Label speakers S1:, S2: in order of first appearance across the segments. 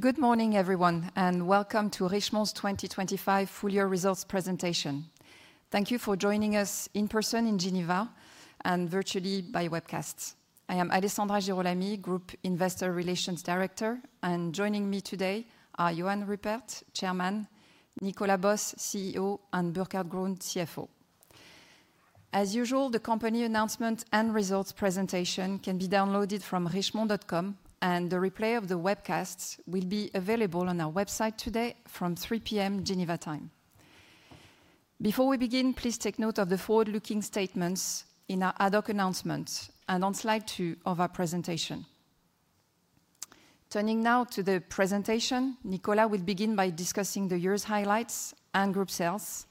S1: Good morning, everyone, and welcome to Richemont's 2025 full-year results presentation. Thank you for joining us in person in Geneva and virtually by webcasts. I am Alessandra Girolami, Group Investor Relations Director, and joining me today are Johann Rupert, Chairman; Nicolas Bos, CEO; and Burkhart Grund, CFO. As usual, the company announcement and results presentation can be downloaded from richemont.com, and the replay of the webcasts will be available on our website today from 3:00 P.M. Geneva time. Before we begin, please take note of the forward-looking statements in our ad hoc announcements and on slide two of our presentation. Turning now to the presentation, Nicolas will begin by discussing the year's highlights and group sales.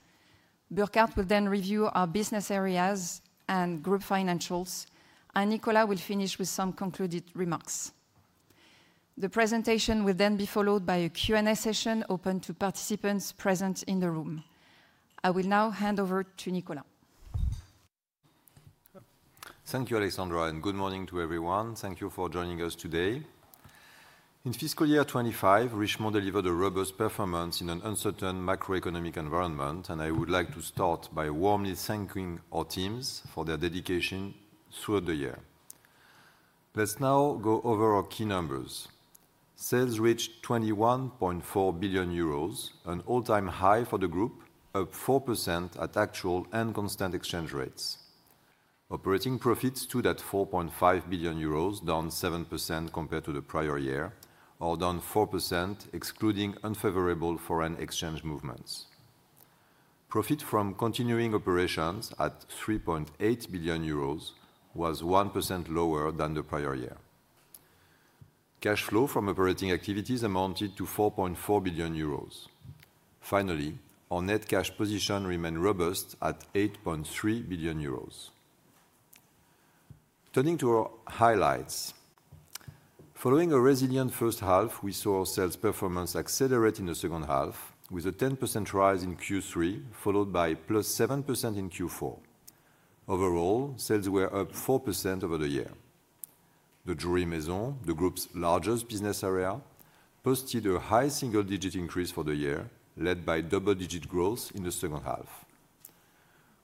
S1: Burkhart will then review our business areas and group financials, and Nicolas will finish with some concluded remarks. The presentation will then be followed by a Q&A session open to participants present in the room. I will now hand over to Nicolas.
S2: Thank you, Alessandra, and good morning to everyone. Thank you for joining us today. In fiscal year 2025, Richemont delivered a robust performance in an uncertain macroeconomic environment, and I would like to start by warmly thanking our teams for their dedication throughout the year. Let's now go over our key numbers. Sales reached 21.4 billion euros, an all-time high for the group, up 4% at actual and constant exchange rates. Operating profits stood at 4.5 billion euros, down 7% compared to the prior year, or down 4% excluding unfavorable foreign exchange movements. Profit from continuing operations at 3.8 billion euros was 1% lower than the prior year. Cash flow from operating activities amounted to 4.4 billion euros. Finally, our net cash position remained robust at 8.3 billion euros. Turning to our highlights, following a resilient first half, we saw our sales performance accelerate in the second half, with a 10% rise in Q3, followed by +7% in Q4. Overall, sales were up 4% over the year. The jewelry maison, the group's largest business area, posted a high single-digit increase for the year, led by double-digit growth in the second half.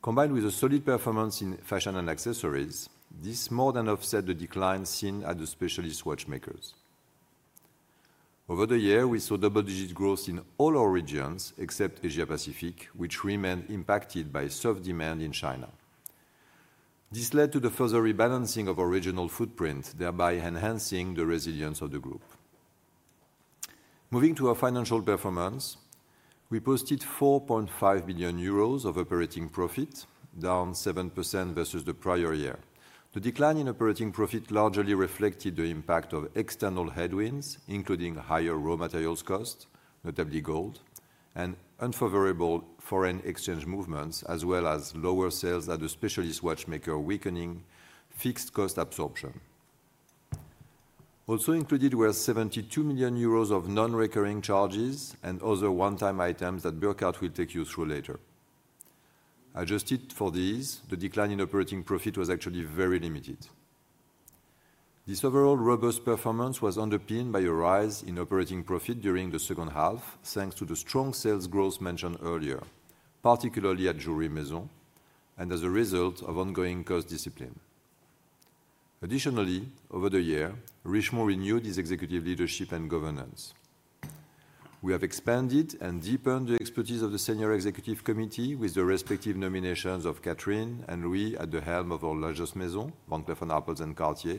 S2: Combined with a solid performance in fashion and accessories, this more than offsets the decline seen at the specialist watchmakers. Over the year, we saw double-digit growth in all our regions except Asia-Pacific, which remained impacted by soft demand in China. This led to the further rebalancing of our regional footprint, thereby enhancing the resilience of the group. Moving to our financial performance, we posted 4.5 billion euros of operating profit, down 7% versus the prior year. The decline in operating profit largely reflected the impact of external headwinds, including higher raw materials costs, notably gold, and unfavorable foreign exchange movements, as well as lower sales at the specialist watchmaker weakening fixed cost absorption. Also included were 72 million euros of non-recurring charges and other one-time items that Burkhart will take you through later. Adjusted for these, the decline in operating profit was actually very limited. This overall robust performance was underpinned by a rise in operating profit during the second half, thanks to the strong sales growth mentioned earlier, particularly at jewelry maison, and as a result of ongoing cost discipline. Additionally, over the year, Richemont renewed its executive leadership and governance. We have expanded and deepened the expertise of the Senior Executive Committee with the respective nominations of Catherine and Louis at the helm of our largest maison, Van Cleef & Arpels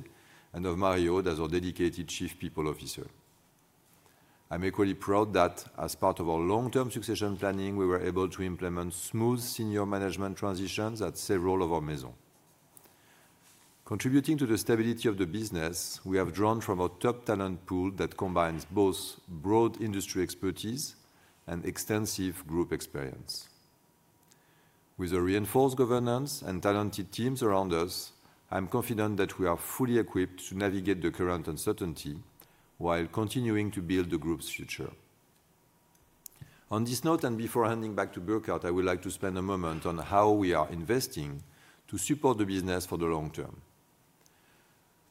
S2: & Cartier, and of Mario as our dedicated Chief People Officer. I'm equally proud that, as part of our long-term succession planning, we were able to implement smooth senior management transitions at several of our maisons. Contributing to the stability of the business, we have drawn from our top talent pool that combines both broad industry expertise and extensive group experience. With a reinforced governance and talented teams around us, I'm confident that we are fully equipped to navigate the current uncertainty while continuing to build the group's future. On this note, and before handing back to Burkhart, I would like to spend a moment on how we are investing to support the business for the long term.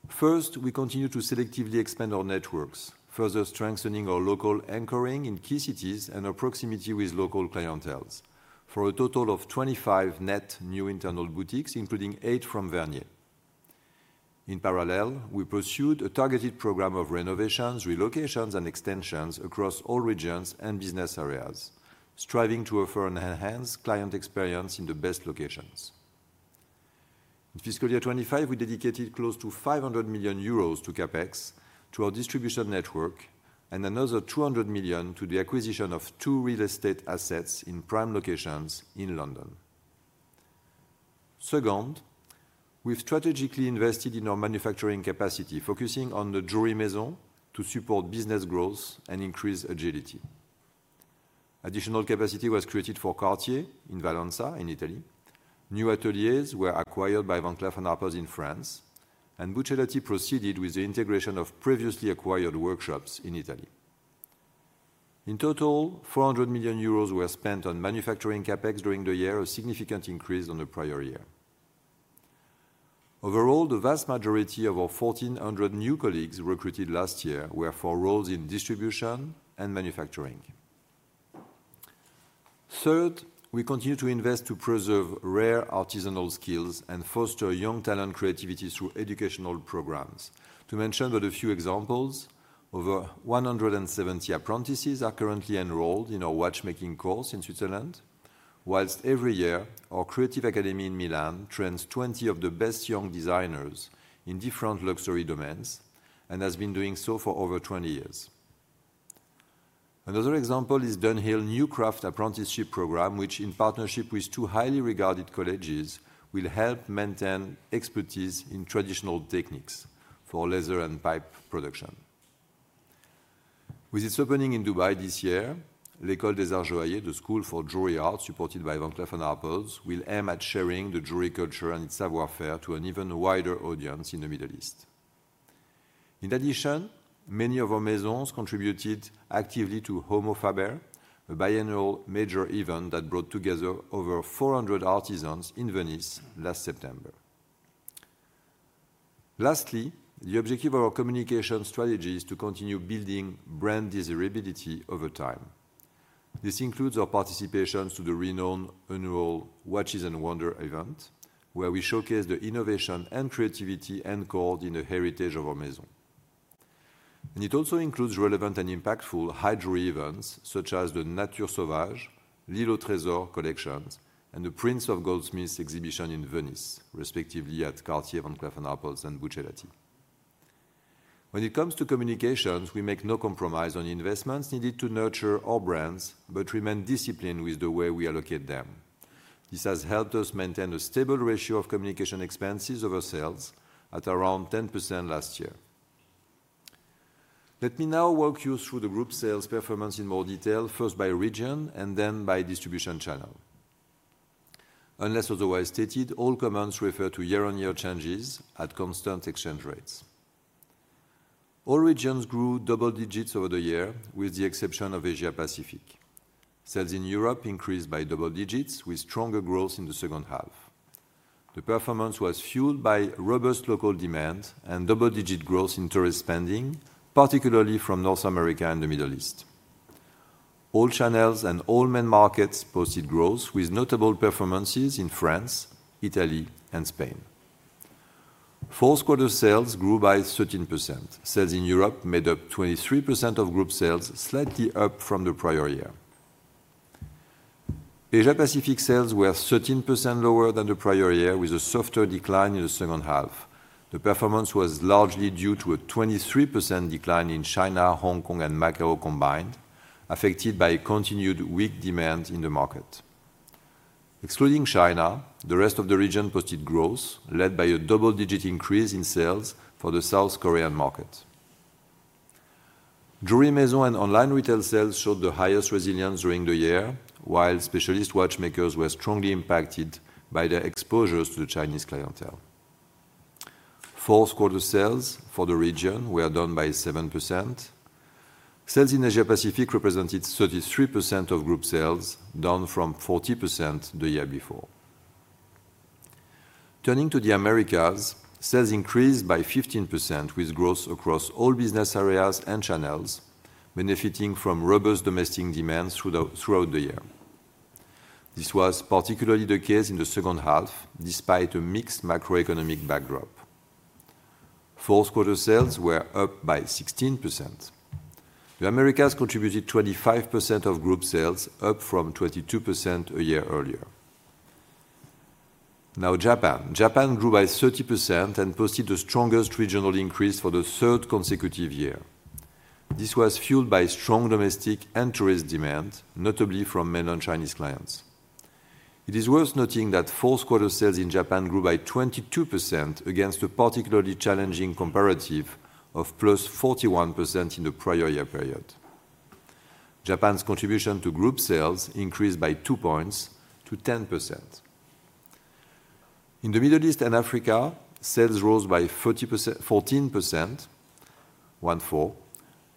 S2: First, we continue to selectively expand our networks, further strengthening our local anchoring in key cities and our proximity with local clienteles, for a total of 25 net new internal boutiques, including eight from Vhernier. In parallel, we pursued a targeted program of renovations, relocations, and extensions across all regions and business areas, striving to offer an enhanced client experience in the best locations. In fiscal year 2025, we dedicated close to 500 million euros to CapEx to our distribution network and another 200 million to the acquisition of two real estate assets in prime locations in London. Second, we've strategically invested in our manufacturing capacity, focusing on the jewelry maison to support business growth and increase agility. Additional capacity was created for Cartier in Valencia, in Italy. New ateliers were acquired by Van Cleef & Arpels in France, and Buccellati proceeded with the integration of previously acquired workshops in Italy. In total, 400 million euros were spent on manufacturing CapEx during the year, a significant increase on the prior year. Overall, the vast majority of our 1,400 new colleagues recruited last year were for roles in distribution and manufacturing. Third, we continue to invest to preserve rare artisanal skills and foster young talent creativity through educational programs. To mention but a few examples, over 170 apprentices are currently enrolled in our watchmaking course in Switzerland, whilst every year our creative academy in Milan trains 20 of the best young designers in different luxury domains and has been doing so for over 20 years. Another example is Dunhill New Craft Apprenticeship Program, which, in partnership with two highly regarded colleges, will help maintain expertise in traditional techniques for leather and pipe production. With its opening in Dubai this year, L'École des Arts Joailliers, the school for jewelry arts supported by Van Cleef & Arpels, will aim at sharing the jewelry culture and its savoir-faire to an even wider audience in the Middle East. In addition, many of our maisons contributed actively to Homo Faber, a biennial major event that brought together over 400 artisans in Venice last September. Lastly, the objective of our communication strategy is to continue building brand desirability over time. This includes our participation to the renowned annual Watches and Wonders event, where we showcase the innovation and creativity encored in the heritage of our maison. It also includes relevant and impactful high-jewelry events such as the Nature Sauvage, L'Île au Trésor collections, and the Prince of Goldsmiths exhibition in Venice, respectively at Cartier, Van Cleef & Arpels, and Buccellati. When it comes to communications, we make no compromise on investments needed to nurture our brands, but remain disciplined with the way we allocate them. This has helped us maintain a stable ratio of communication expenses over sales at around 10% last year. Let me now walk you through the group sales performance in more detail, first by region and then by distribution channel. Unless otherwise stated, all comments refer to year-on-year changes at constant exchange rates. All regions grew double digits over the year, with the exception of Asia-Pacific. Sales in Europe increased by double digits, with stronger growth in the second half. The performance was fueled by robust local demand and double-digit growth in tourist spending, particularly from North America and the Middle East. All channels and all main markets posted growth, with notable performances in France, Italy, and Spain. Fourth quarter sales grew by 13%. Sales in Europe made up 23% of group sales, slightly up from the prior year. Asia-Pacific sales were 13% lower than the prior year, with a softer decline in the second half. The performance was largely due to a 23% decline in China, Hong Kong, and Macao combined, affected by continued weak demand in the market. Excluding China, the rest of the region posted growth, led by a double-digit increase in sales for the South Korean market. Jewelry maison and online retail sales showed the highest resilience during the year, while specialist watchmakers were strongly impacted by their exposures to the Chinese clientele. Fourth quarter sales for the region were down by 7%. Sales in Asia-Pacific represented 33% of group sales, down from 40% the year before. Turning to the Americas, sales increased by 15%, with growth across all business areas and channels, benefiting from robust domestic demand throughout the year. This was particularly the case in the second half, despite a mixed macroeconomic backdrop. Fourth quarter sales were up by 16%. The Americas contributed 25% of group sales, up from 22% a year earlier. Now, Japan. Japan grew by 30% and posted the strongest regional increase for the third consecutive year. This was fueled by strong domestic and tourist demand, notably from mainland Chinese clients. It is worth noting that fourth quarter sales in Japan grew by 22% against a particularly challenging comparative of +41% in the prior year period. Japan's contribution to group sales increased by two points to 10%. In the Middle East and Africa, sales rose by 14%, one four,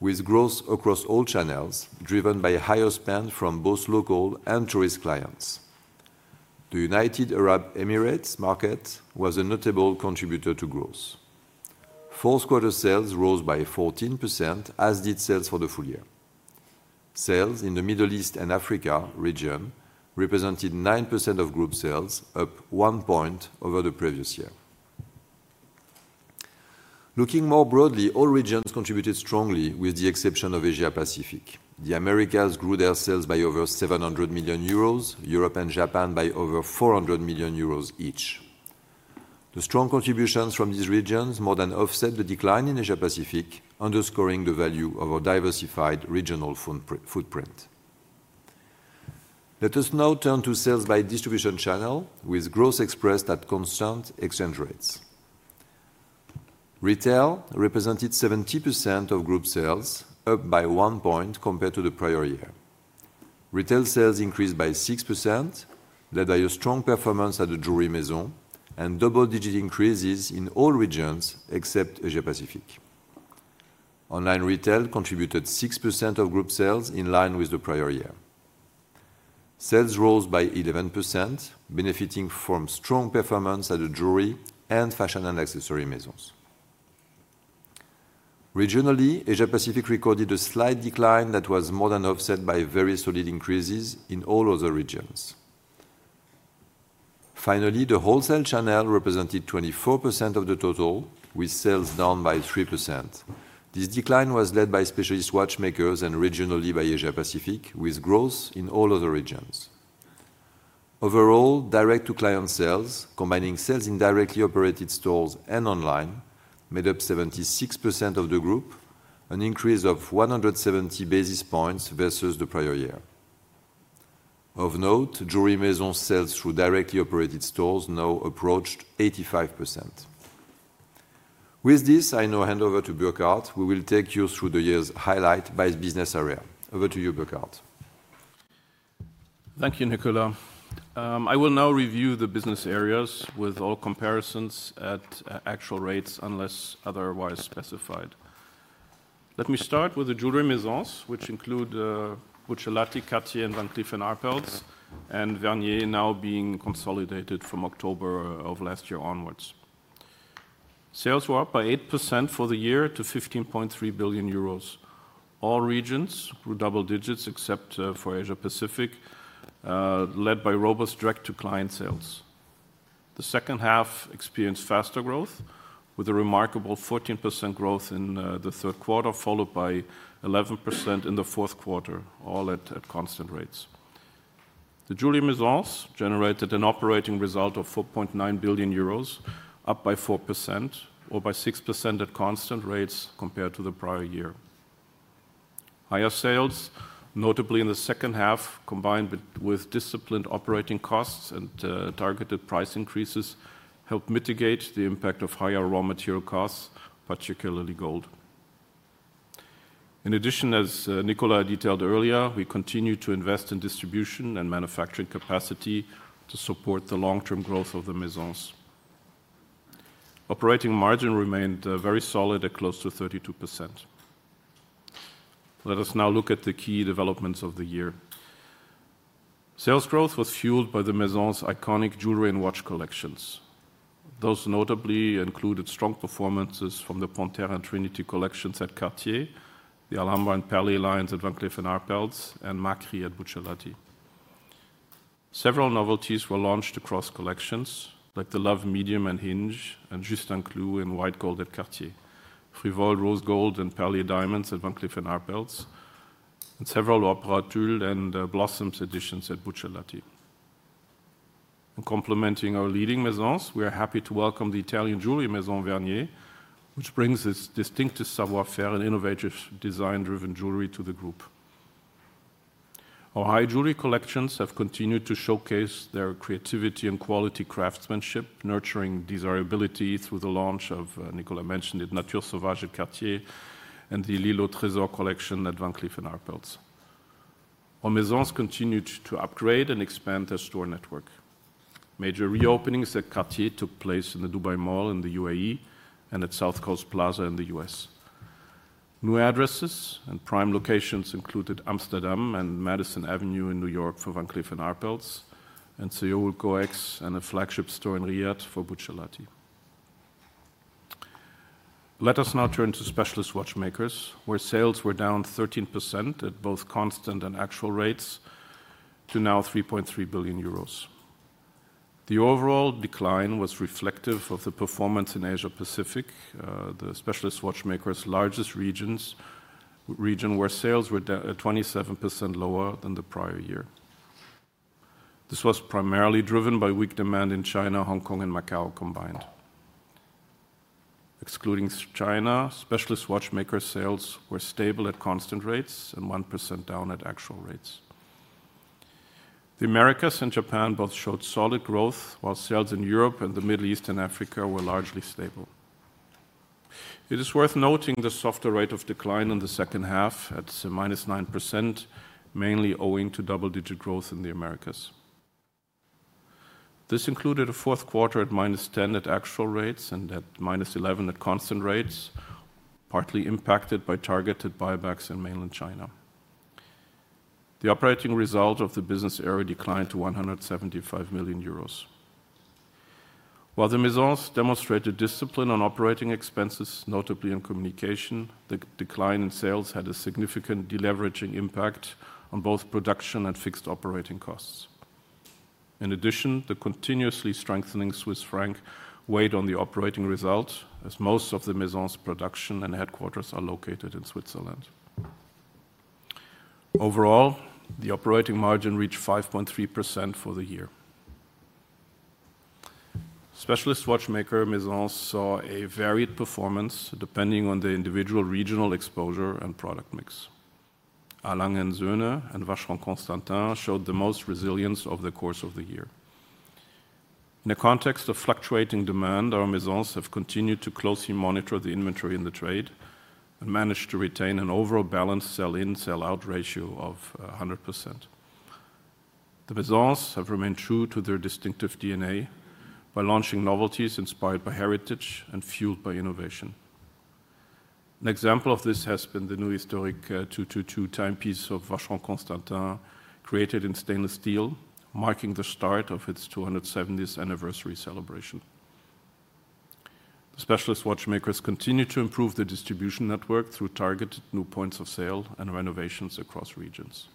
S2: with growth across all channels driven by higher spend from both local and tourist clients. The United Arab Emirates market was a notable contributor to growth. Fourth quarter sales rose by 14%, as did sales for the full year. Sales in the Middle East and Africa region represented 9% of group sales, up one point over the previous year. Looking more broadly, all regions contributed strongly, with the exception of Asia-Pacific. The Americas grew their sales by over 700 million euros, Europe and Japan by over 400 million euros each. The strong contributions from these regions more than offset the decline in Asia-Pacific, underscoring the value of a diversified regional footprint. Let us now turn to sales by distribution channel, with growth expressed at constant exchange rates. Retail represented 70% of group sales, up by one point compared to the prior year. Retail sales increased by 6%, led by a strong performance at the jewelry maison and double-digit increases in all regions except Asia-Pacific. Online retail contributed 6% of group sales in line with the prior year. Sales rose by 11%, benefiting from strong performance at the jewelry and fashion and accessory maisons. Regionally, Asia-Pacific recorded a slight decline that was more than offset by very solid increases in all other regions. Finally, the wholesale channel represented 24% of the total, with sales down by 3%. This decline was led by specialist watchmakers and regionally by Asia-Pacific, with growth in all other regions. Overall, direct-to-client sales, combining sales in directly operated stores and online, made up 76% of the group, an increase of 170 basis points versus the prior year. Of note, jewelry maison sales through directly operated stores now approached 85%. With this, I now hand over to Burkhart. We will take you through the year's highlight by business area. Over to you, Burkhart.
S3: Thank you, Nicolas. I will now review the business areas with all comparisons at actual rates unless otherwise specified. Let me start with the jewelry maisons, which include Buccellati, Cartier, and Van Cleef & Arpels, and Vhernier, now being consolidated from October of last year onwards. Sales were up by 8% for the year to 15.3 billion euros. All regions grew double digits except for Asia-Pacific, led by robust direct-to-client sales. The second half experienced faster growth, with a remarkable 14% growth in the third quarter, followed by 11% in the fourth quarter, all at constant rates. The jewelry maisons generated an operating result of 4.9 billion euros, up by 4%, or by 6% at constant rates compared to the prior year. Higher sales, notably in the second half, combined with disciplined operating costs and targeted price increases, helped mitigate the impact of higher raw material costs, particularly gold. In addition, as Nicolas detailed earlier, we continue to invest in distribution and manufacturing capacity to support the long-term growth of the maisons. Operating margin remained very solid at close to 32%. Let us now look at the key developments of the year. Sales growth was fueled by the maisons' iconic jewelry and watch collections. Those notably included strong performances from the Panthère and Trinity collections at Cartier, the Alhambra and Perlée lines at Van Cleef & Arpels, and Macri at Buccellati. Several novelties were launched across collections, like the Love Medium and Hinge, and Juste un Clou in white gold at Cartier, Frivole rose gold and Perlée diamonds at Van Cleef & Arpels, and several Opera Tulle and Blossoms editions at Buccellati. Complementing our leading maisons, we are happy to welcome the Italian jewelry maison Vhernier, which brings its distinctive savoir-faire and innovative design-driven jewelry to the group. Our high-jewelry collections have continued to showcase their creativity and quality craftsmanship, nurturing desirability through the launch of, Nicolas mentioned it, Nature Sauvage at Cartier and the L'Île au Trésor collection at Van Cleef & Arpels. Our maisons continue to upgrade and expand their store network. Major reopenings at Cartier took place in the Dubai Mall in the UAE and at South Coast Plaza in the US. New addresses and prime locations included Amsterdam and Madison Avenue in New York for Van Cleef & Arpels, and Seoul COEX and a flagship store in Riyadh for Buccellati. Let us now turn to specialist watchmakers, where sales were down 13% at both constant and actual rates to now 3.3 billion euros. The overall decline was reflective of the performance in Asia-Pacific, the specialist watchmakers' largest region, where sales were down 27% lower than the prior year. This was primarily driven by weak demand in China, Hong Kong, and Macao combined. Excluding China, specialist watchmaker sales were stable at constant rates and 1% down at actual rates. The Americas and Japan both showed solid growth, while sales in Europe and the Middle East and Africa were largely stable. It is worth noting the softer rate of decline in the second half at -9%, mainly owing to double-digit growth in the Americas. This included a fourth quarter at -10% at actual rates and at -11% at constant rates, partly impacted by targeted buybacks in mainland China. The operating result of the business area declined to 175 million euros. While the maisons demonstrated discipline on operating expenses, notably in communication, the decline in sales had a significant deleveraging impact on both production and fixed operating costs. In addition, the continuously strengthening Swiss franc weighed on the operating result, as most of the maisons' production and headquarters are located in Switzerland. Overall, the operating margin reached 5.3% for the year. Specialist watchmaker maisons saw a varied performance depending on the individual regional exposure and product mix. A. Lange & Söhne and Vacheron Constantin showed the most resilience over the course of the year. In a context of fluctuating demand, our maisons have continued to closely monitor the inventory in the trade and managed to retain an overall balanced sell-in/sell-out ratio of 100%. The maisons have remained true to their distinctive DNA by launching novelties inspired by heritage and fueled by innovation. An example of this has been the new historic 222 timepiece of Vacheron Constantin, created in stainless steel, marking the start of its 270th anniversary celebration. The specialist watchmakers continue to improve the distribution network through targeted new points of sale and renovations across regions.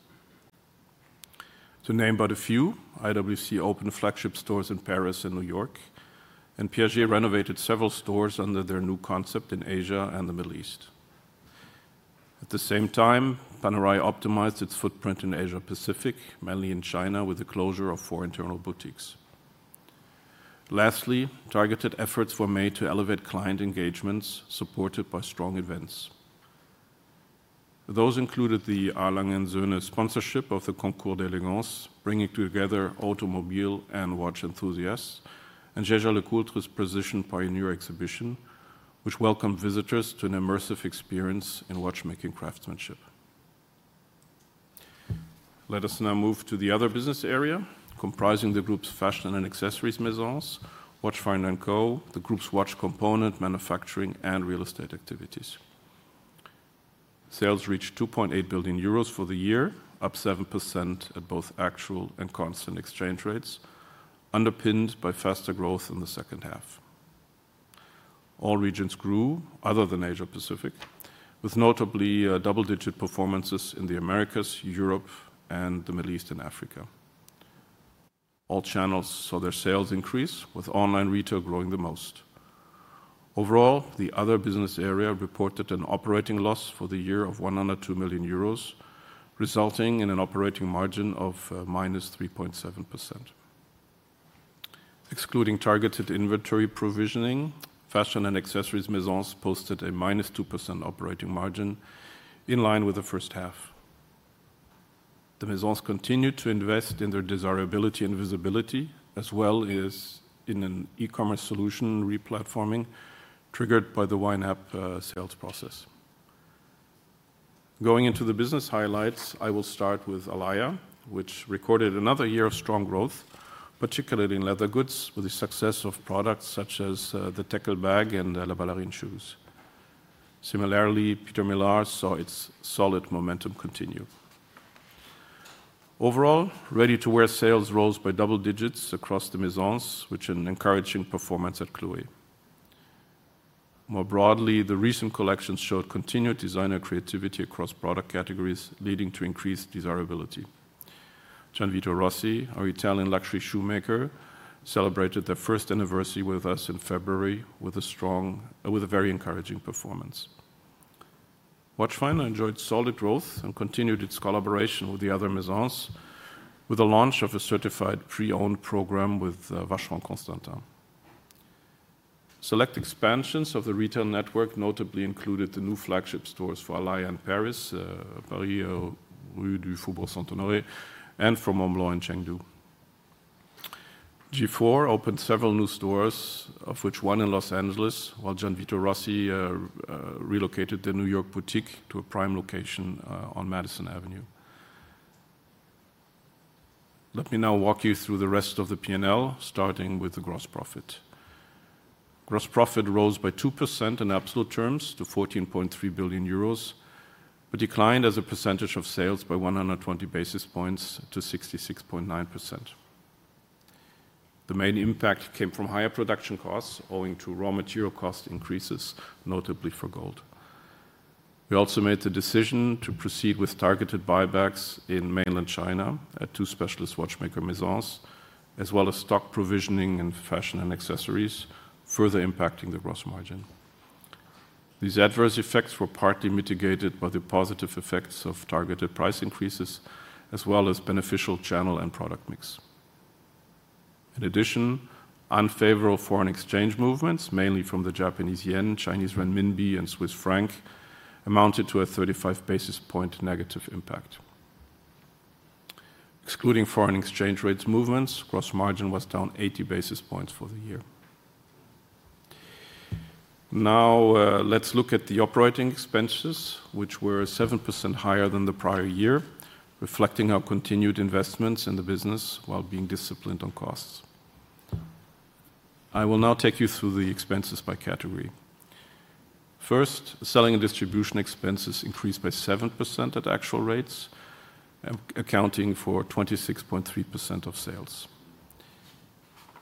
S3: To name but a few, IWC opened flagship stores in Paris and New York, and Piaget renovated several stores under their new concept in Asia and the Middle East. At the same time, Panerai optimized its footprint in Asia-Pacific, mainly in China, with the closure of four internal boutiques. Lastly, targeted efforts were made to elevate client engagements, supported by strong events. Those included the A. Lange & Söhne sponsorship of the Concours d'Elégance, bringing together automobile and watch enthusiasts, and Jaeger-LeCoultre's Precision Pioneer exhibition, which welcomed visitors to an immersive experience in watchmaking craftsmanship. Let us now move to the other business area, comprising the group's fashion and accessories maisons, Watchfinder & Co., the group's watch component, manufacturing, and real estate activities. Sales reached 2.8 billion euros for the year, up 7% at both actual and constant exchange rates, underpinned by faster growth in the second half. All regions grew, other than Asia-Pacific, with notably double-digit performances in the Americas, Europe, and the Middle East and Africa. All channels saw their sales increase, with online retail growing the most. Overall, the other business area reported an operating loss for the year of 102 million euros, resulting in an operating margin of -3.7%. Excluding targeted inventory provisioning, fashion and accessories maisons posted a -2% operating margin, in line with the first half. The maisons continued to invest in their desirability and visibility, as well as in an e-commerce solution replatforming triggered by the YNAP sales process. Going into the business highlights, I will start with Alaïa, which recorded another year of strong growth, particularly in leather goods, with the success of products such as the Teckel bag and La Ballerine shoes. Similarly, Peter Millar saw its solid momentum continue. Overall, ready-to-wear sales rose by double digits across the maisons, which is an encouraging performance at Chloé. More broadly, the recent collections showed continued designer creativity across product categories, leading to increased desirability. Gianvito Rossi, our Italian luxury shoemaker, celebrated their first anniversary with us in February with a very encouraging performance. Watchfinder enjoyed solid growth and continued its collaboration with the other maisons, with the launch of a certified pre-owned program with Vacheron Constantin. Select expansions of the retail network notably included the new flagship stores for Alaïa in Paris, Paris Rue du Faubourg Saint-Honoré, and from Montblanc in Chengdu. G/FORE opened several new stores, of which one in Los Angeles, while Gianvito Rossi relocated the New York boutique to a prime location on Madison Avenue. Let me now walk you through the rest of the P&L, starting with the gross profit. Gross profit rose by 2% in absolute terms to 14.3 billion euros, but declined as a percentage of sales by 120 basis points to 66.9%. The main impact came from higher production costs owing to raw material cost increases, notably for gold. We also made the decision to proceed with targeted buybacks in mainland China at two specialist watchmaker maisons, as well as stock provisioning in fashion and accessories, further impacting the gross margin. These adverse effects were partly mitigated by the positive effects of targeted price increases, as well as beneficial channel and product mix. In addition, unfavorable foreign exchange movements, mainly from the Japanese yen, Chinese renminbi, and Swiss franc, amounted to a 35 basis point negative impact. Excluding foreign exchange rates movements, gross margin was down 80 basis points for the year. Now, let's look at the operating expenses, which were 7% higher than the prior year, reflecting our continued investments in the business while being disciplined on costs. I will now take you through the expenses by category. First, selling and distribution expenses increased by 7% at actual rates, accounting for 26.3% of sales.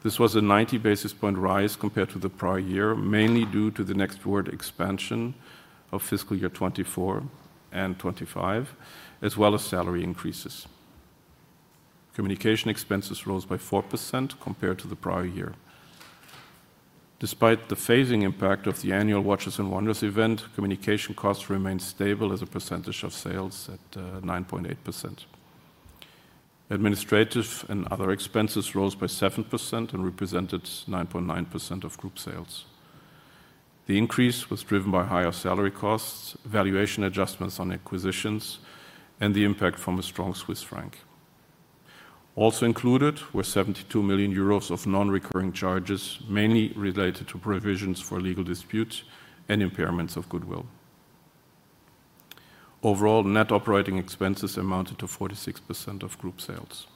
S3: This was a 90 basis point rise compared to the prior year, mainly due to the network expansion of fiscal year 2024 and 2025, as well as salary increases. Communication expenses rose by 4% compared to the prior year. Despite the phasing impact of the annual Watches and Wonders event, communication costs remained stable as a percentage of sales at 9.8%. Administrative and other expenses rose by 7% and represented 9.9% of group sales. The increase was driven by higher salary costs, valuation adjustments on acquisitions, and the impact from a strong Swiss franc. Also included were 72 million euros of non-recurring charges, mainly related to provisions for legal disputes and impairments of goodwill. Overall, net operating expenses amounted to 46% of group sales.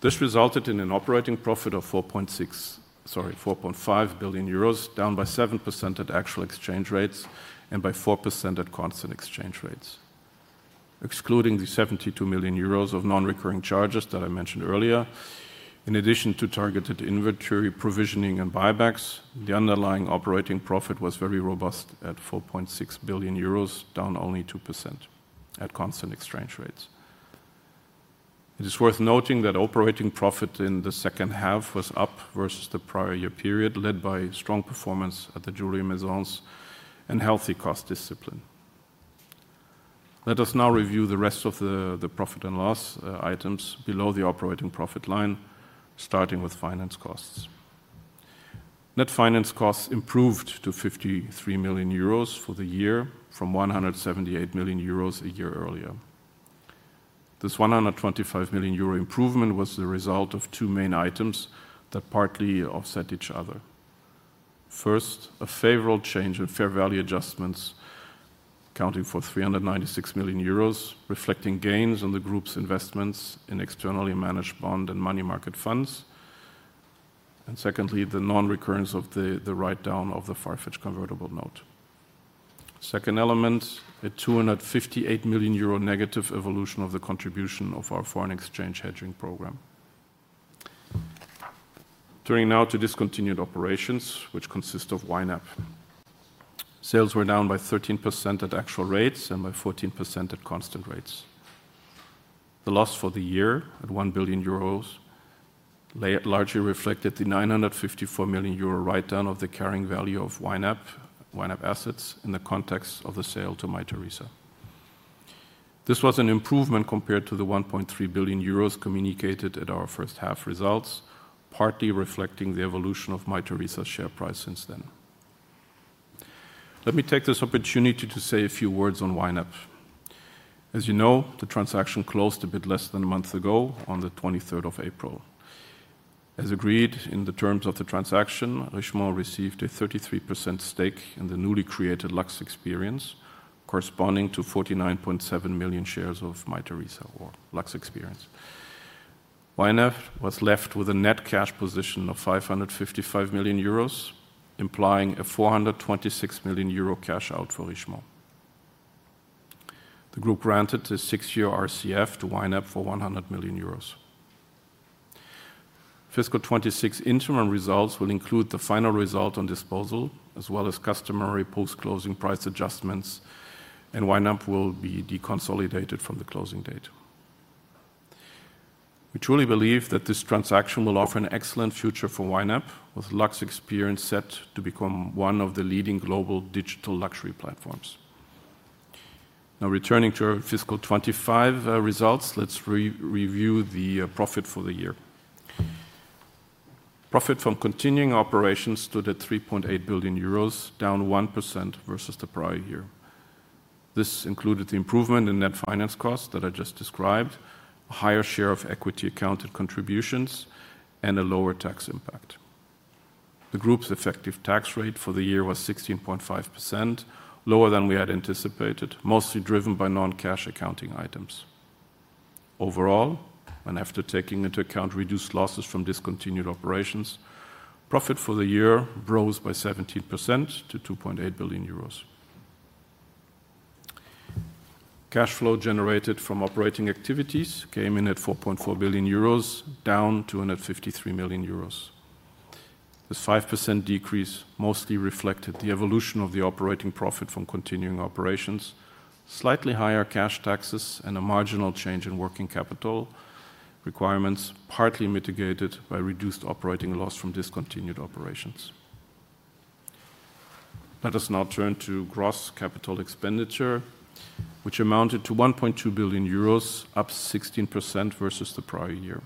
S3: This resulted in an operating profit of 4.5 billion euros, down by 7% at actual exchange rates and by 4% at constant exchange rates. Excluding the 72 million euros of non-recurring charges that I mentioned earlier, in addition to targeted inventory provisioning and buybacks, the underlying operating profit was very robust at 4.6 billion euros, down only 2% at constant exchange rates. It is worth noting that operating profit in the second half was up versus the prior year period, led by strong performance at the jewelry maisons and healthy cost discipline. Let us now review the rest of the profit and loss items below the operating profit line, starting with finance costs. Net finance costs improved to 53 million euros for the year from 178 million euros a year earlier. This 125 million euro improvement was the result of two main items that partly offset each other. First, a favorable change in fair value adjustments, accounting for 396 million euros, reflecting gains on the group's investments in externally managed bond and money market funds. Secondly, the non-recurrence of the write-down of the Farfetch Convertible note. Second element, a 258 million euro negative evolution of the contribution of our foreign exchange hedging program. Turning now to discontinued operations, which consist of YNAP. Sales were down by 13% at actual rates and by 14% at constant rates. The loss for the year at 1 billion euros largely reflected the 954 million euro write-down of the carrying value of YNAP assets in the context of the sale to Mytheresa. This was an improvement compared to the 1.3 billion euros communicated at our first half results, partly reflecting the evolution of Mytheresa's share price since then. Let me take this opportunity to say a few words on YNAP. As you know, the transaction closed a bit less than a month ago on the 23rd of April. As agreed in the terms of the transaction, Richemont received a 33% stake in the newly created Luxe Experience, corresponding to 49.7 million shares of Mytheresa or Luxe Experience. YNAP was left with a net cash position of 555 million euros, implying a 426 million euro cash out for Richemont. The group granted a six-year RCF to YNAP for 100 million euros. Fiscal 2026 interim results will include the final result on disposal, as well as customary post-closing price adjustments, and YNAP will be deconsolidated from the closing date. We truly believe that this transaction will offer an excellent future for YNAP, with Luxe Experience set to become one of the leading global digital luxury platforms. Now, returning to our fiscal 2025 results, let's review the profit for the year. Profit from continuing operations stood at 3.8 billion euros, down 1% versus the prior year. This included the improvement in net finance costs that I just described, a higher share of equity-accounted contributions, and a lower tax impact. The group's effective tax rate for the year was 16.5%, lower than we had anticipated, mostly driven by non-cash accounting items. Overall, and after taking into account reduced losses from discontinued operations, profit for the year rose by 17% to 2.8 billion euros. Cash flow generated from operating activities came in at 4.4 billion euros, down 253 million euros. This 5% decrease mostly reflected the evolution of the operating profit from continuing operations, slightly higher cash taxes, and a marginal change in working capital requirements, partly mitigated by reduced operating loss from discontinued operations. Let us now turn to gross capital expenditure, which amounted to 1.2 billion euros, up 16% versus the prior year.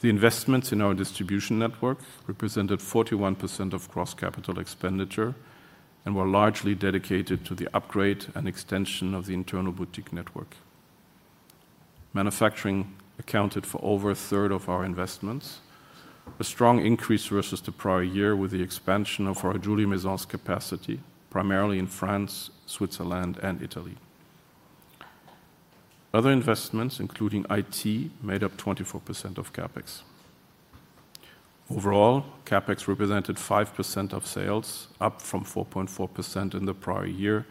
S3: The investments in our distribution network represented 41% of gross capital expenditure and were largely dedicated to the upgrade and extension of the internal boutique network. Manufacturing accounted for over a third of our investments, a strong increase versus the prior year with the expansion of our jewelry maisons capacity, primarily in France, Switzerland, and Italy. Other investments, including IT, made up 24% of CapEx. Overall, CapEx represented 5% of sales, up from 4.4% in the prior year,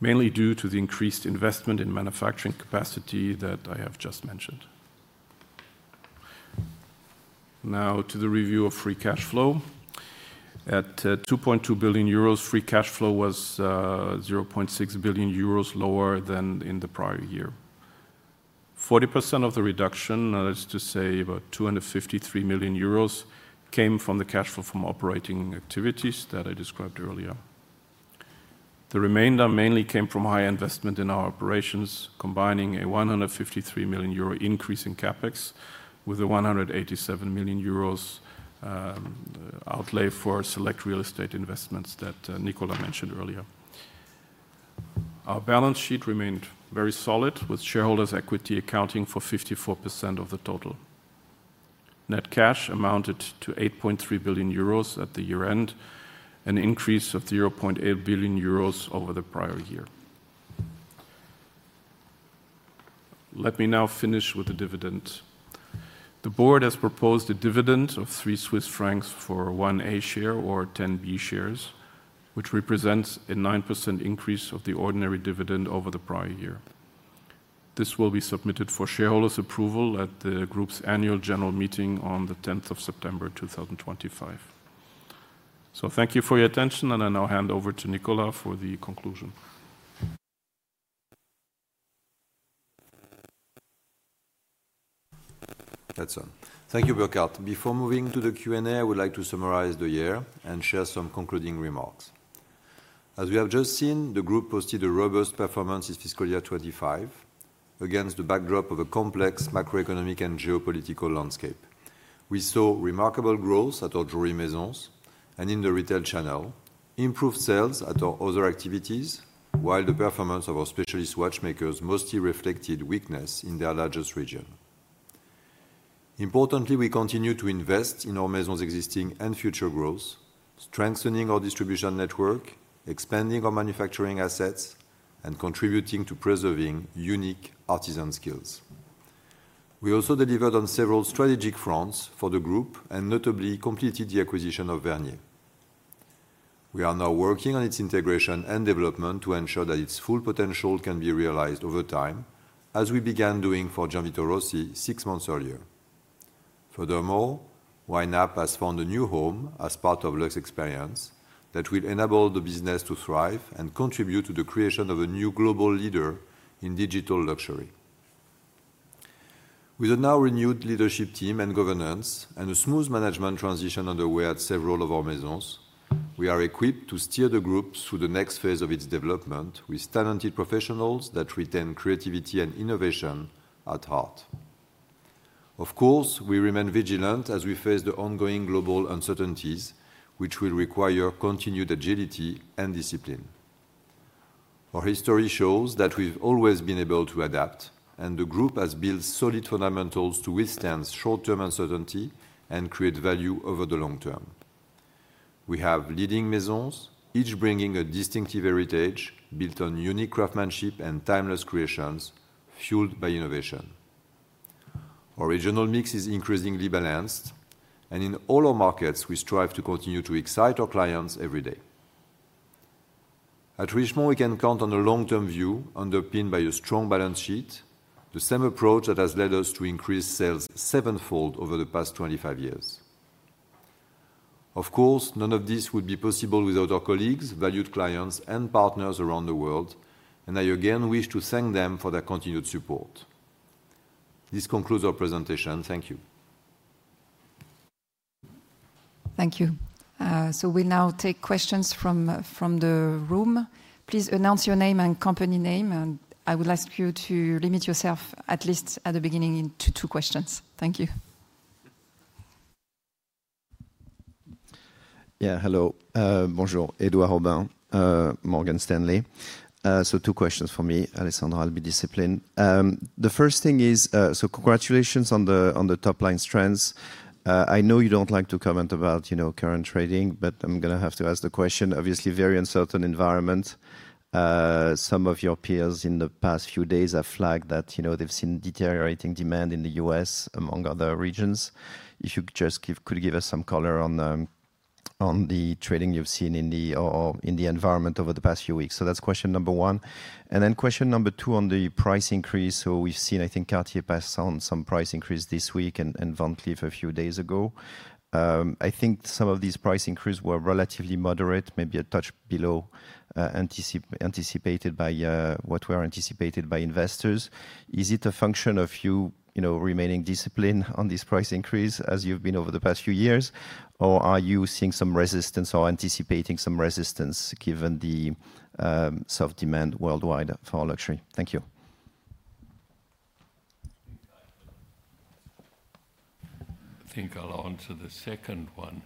S3: mainly due to the increased investment in manufacturing capacity that I have just mentioned. Now, to the review of free cash flow. At 2.2 billion euros, free cash flow was 0.6 billion euros lower than in the prior year. 40% of the reduction, that is to say about 253 million euros, came from the cash flow from operating activities that I described earlier. The remainder mainly came from higher investment in our operations, combining a 153 million euro increase in CapEx with the 187 million euros outlay for select real estate investments that Nicolas mentioned earlier. Our balance sheet remained very solid, with shareholders' equity accounting for 54% of the total. Net cash amounted to 8.3 billion euros at the year-end, an increase of 0.8 billion euros over the prior year. Let me now finish with the dividends. The board has proposed a dividend of 3 Swiss francs for one A-share or 10 B-shares, which represents a 9% increase of the ordinary dividend over the prior year. This will be submitted for shareholders' approval at the group's annual general meeting on the 10th of September 2025. Thank you for your attention, and I now hand over to Nicolas for the conclusion.
S2: That's all. Thank you, Burkhart. Before moving to the Q&A, I would like to summarize the year and share some concluding remarks. As we have just seen, the group posted a robust performance in fiscal year 2025 against the backdrop of a complex macroeconomic and geopolitical landscape. We saw remarkable growth at our jewelry maisons and in the retail channel, improved sales at our other activities, while the performance of our specialist watchmakers mostly reflected weakness in their largest region. Importantly, we continue to invest in our maisons' existing and future growth, strengthening our distribution network, expanding our manufacturing assets, and contributing to preserving unique artisan skills. We also delivered on several strategic fronts for the group and notably completed the acquisition of Vhernier. We are now working on its integration and development to ensure that its full potential can be realized over time, as we began doing for Gianvito Rossi six months earlier. Furthermore, YNAP has found a new home as part of Luxe Experience that will enable the business to thrive and contribute to the creation of a new global leader in digital luxury. With a now renewed leadership team and governance, and a smooth management transition underway at several of our maisons, we are equipped to steer the group through the next phase of its development with talented professionals that retain creativity and innovation at heart. Of course, we remain vigilant as we face the ongoing global uncertainties, which will require continued agility and discipline. Our history shows that we've always been able to adapt, and the group has built solid fundamentals to withstand short-term uncertainty and create value over the long term. We have leading maisons, each bringing a distinctive heritage built on unique craftsmanship and timeless creations fueled by innovation. Our regional mix is increasingly balanced, and in all our markets, we strive to continue to excite our clients every day. At Richemont, we can count on a long-term view underpinned by a strong balance sheet, the same approach that has led us to increase sales seven-fold over the past 25 years. Of course, none of this would be possible without our colleagues, valued clients, and partners around the world, and I again wish to thank them for their continued support. This concludes our presentation. Thank you.
S1: Thank you. We'll now take questions from the room. Please announce your name and company name, and I would ask you to limit yourself, at least at the beginning, to two questions. Thank you.
S4: Yeah, hello. Bonjour, Édouard Aubin, Morgan Stanley. Two questions for me. Alessandra, I'll be disciplined. The first thing is, congratulations on the top-line strengths. I know you don't like to comment about current trading, but I'm going to have to ask the question. Obviously, very uncertain environment. Some of your peers in the past few days have flagged that they've seen deteriorating demand in the U.S., among other regions. If you could give us some color on the trading you've seen in the environment over the past few weeks. That's question number one. And then question number two on the price increase. We've seen, I think, Cartier passing some price increase this week and Van Cleef a few days ago. I think some of these price increases were relatively moderate, maybe a touch below what were anticipated by investors. Is it a function of you remaining disciplined on this price increase as you've been over the past few years, or are you seeing some resistance or anticipating some resistance given the soft demand worldwide for luxury? Thank you.
S5: I think I'll answer the second one.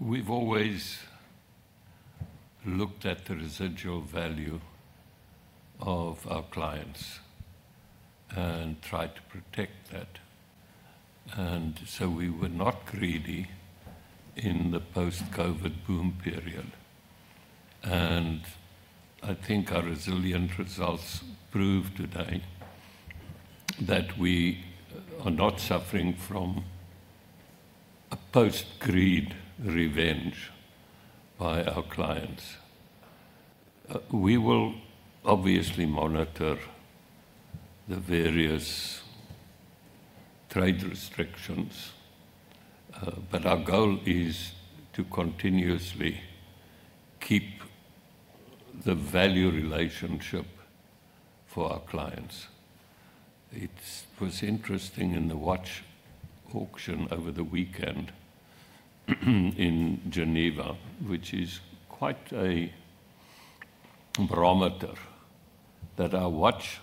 S5: We've always looked at the residual value of our clients and tried to protect that. We were not greedy in the post-COVID boom period. I think our resilient results prove today that we are not suffering from a post-greed revenge by our clients. We will obviously monitor the various trade restrictions, but our goal is to continuously keep the value relationship for our clients. It was interesting in the watch auction over the weekend in Geneva, which is quite a barometer that our watch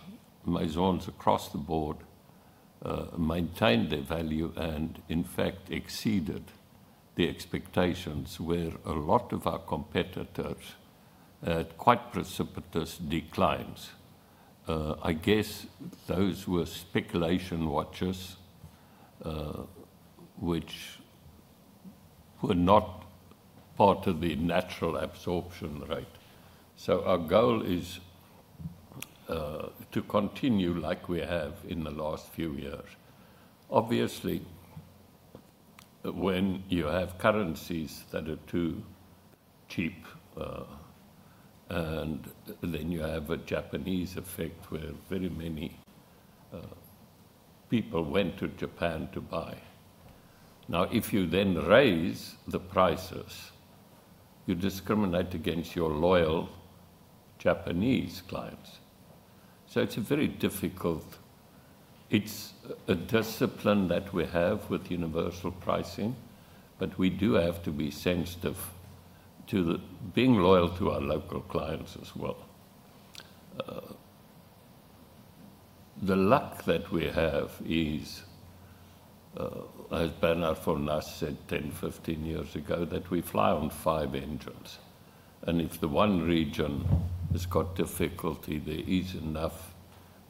S5: maisons across the board maintained their value and, in fact, exceeded the expectations, where a lot of our competitors had quite precipitous declines. I guess those were speculation watches, which were not part of the natural absorption rate. Our goal is to continue like we have in the last few years. Obviously, when you have currencies that are too cheap, and then you have a Japanese effect where very many people went to Japan to buy. Now, if you then raise the prices, you discriminate against your loyal Japanese clients. It's a very difficult—it's a discipline that we have with universal pricing, but we do have to be sensitive to being loyal to our local clients as well. The luck that we have is, as Bernard Fornas said 10 years-15 years ago, that we fly on five engines. If one region has got difficulty, there is enough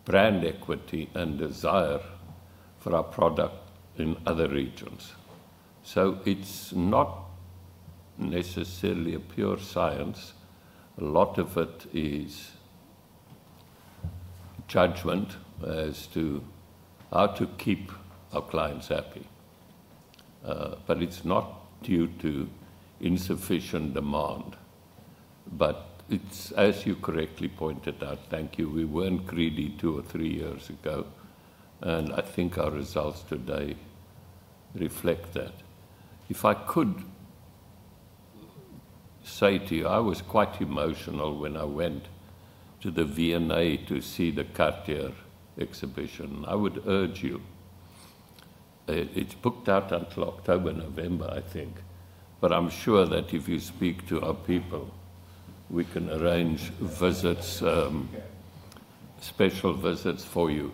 S5: brand equity and desire for our product in other regions. It's not necessarily a pure science. A lot of it is judgment as to how to keep our clients happy. It's not due to insufficient demand. As you correctly pointed out, thank you, we weren't greedy two or three years ago, and I think our results today reflect that. If I could say to you, I was quite emotional when I went to the V&A to see the Cartier exhibition. I would urge you—it is booked out until October, November, I think. I am sure that if you speak to our people, we can arrange special visits for you.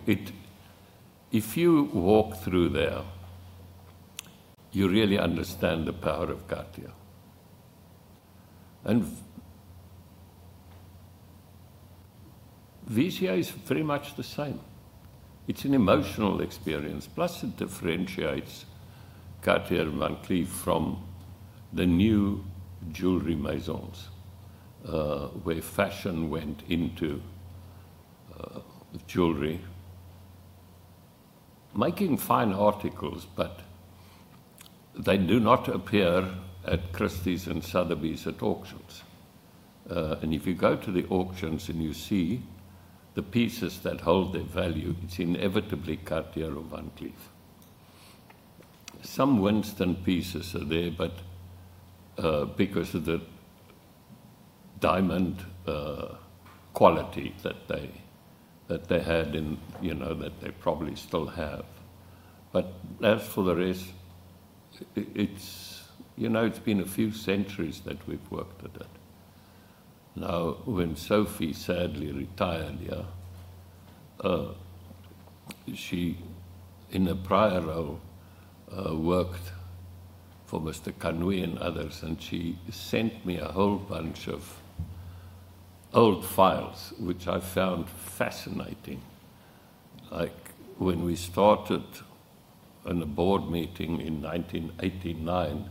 S5: If you walk through there, you really understand the power of Cartier. VCI is very much the same. It is an emotional experience, plus it differentiates Cartier and Van Cleef from the new jewelry maisons where fashion went into jewelry, making fine articles, but they do not appear at Christie's and Sotheby's at auctions. If you go to the auctions and you see the pieces that hold their value, it is inevitably Cartier or Van Cleef. Some Winston pieces are there, but because of the diamond quality that they had and that they probably still have. As for the rest, it has been a few centuries that we have worked with it. Now, when Sophie sadly retired, she, in a prior role, worked for Mr. Kanoui and others, and she sent me a whole bunch of old files, which I found fascinating. When we started on a board meeting in 1989,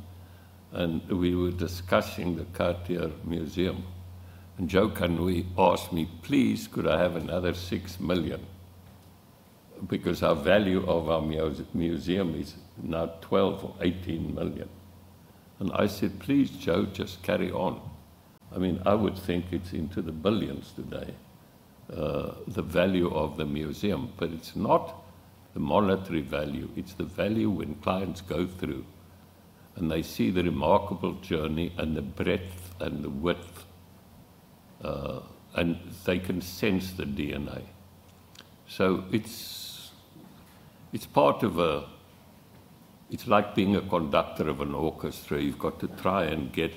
S5: and we were discussing the Cartier Museum, Joe Kanoui asked me, "Please, could I have another $6 million? Because our value of our museum is now $12 million or $18 million." I said, "Please, Joe, just carry on." I mean, I would think it's into the billions today, the value of the museum. It is not the monetary value. It is the value when clients go through and they see the remarkable journey and the breadth and the width, and they can sense the DNA. It is part of a—it is like being a conductor of an orchestra. You have got to try and get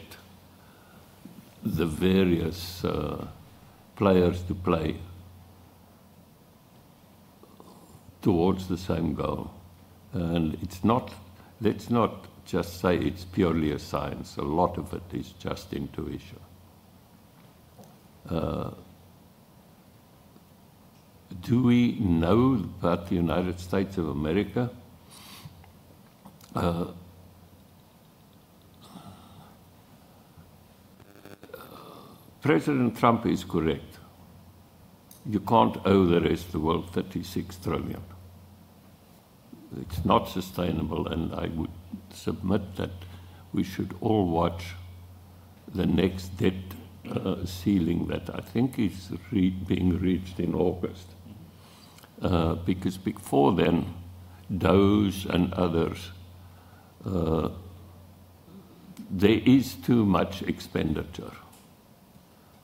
S5: the various players to play towards the same goal. Let's not just say it's purely a science. A lot of it is just intuition. Do we know about the United States of America? President Trump is correct. You can't owe the rest of the world $36 trillion. It's not sustainable, and I would submit that we should all watch the next debt ceiling that I think is being reached in August. Because before then, those and others, there is too much expenditure.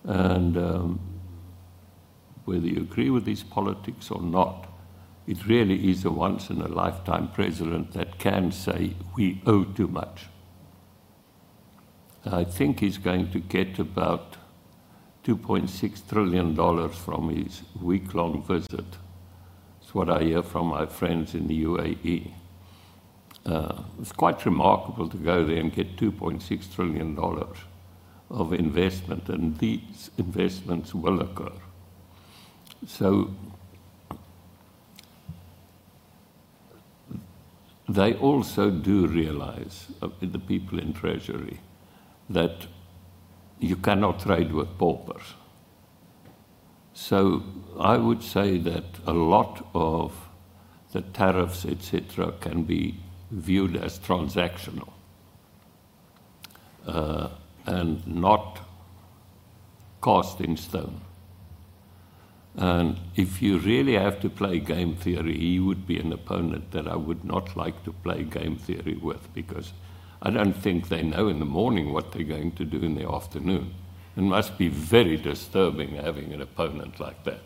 S5: Whether you agree with his politics or not, it really is a once-in-a-lifetime president that can say, "We owe too much." I think he's going to get about $2.6 trillion from his week-long visit. It's what I hear from my friends in the UAE. It's quite remarkable to go there and get $2.6 trillion of investment, and these investments will occur. They also do realize, the people in Treasury, that you cannot trade with paupers. I would say that a lot of the tariffs, etc., can be viewed as transactional and not cast in stone. If you really have to play game theory, he would be an opponent that I would not like to play game theory with because I do not think they know in the morning what they are going to do in the afternoon. It must be very disturbing having an opponent like that.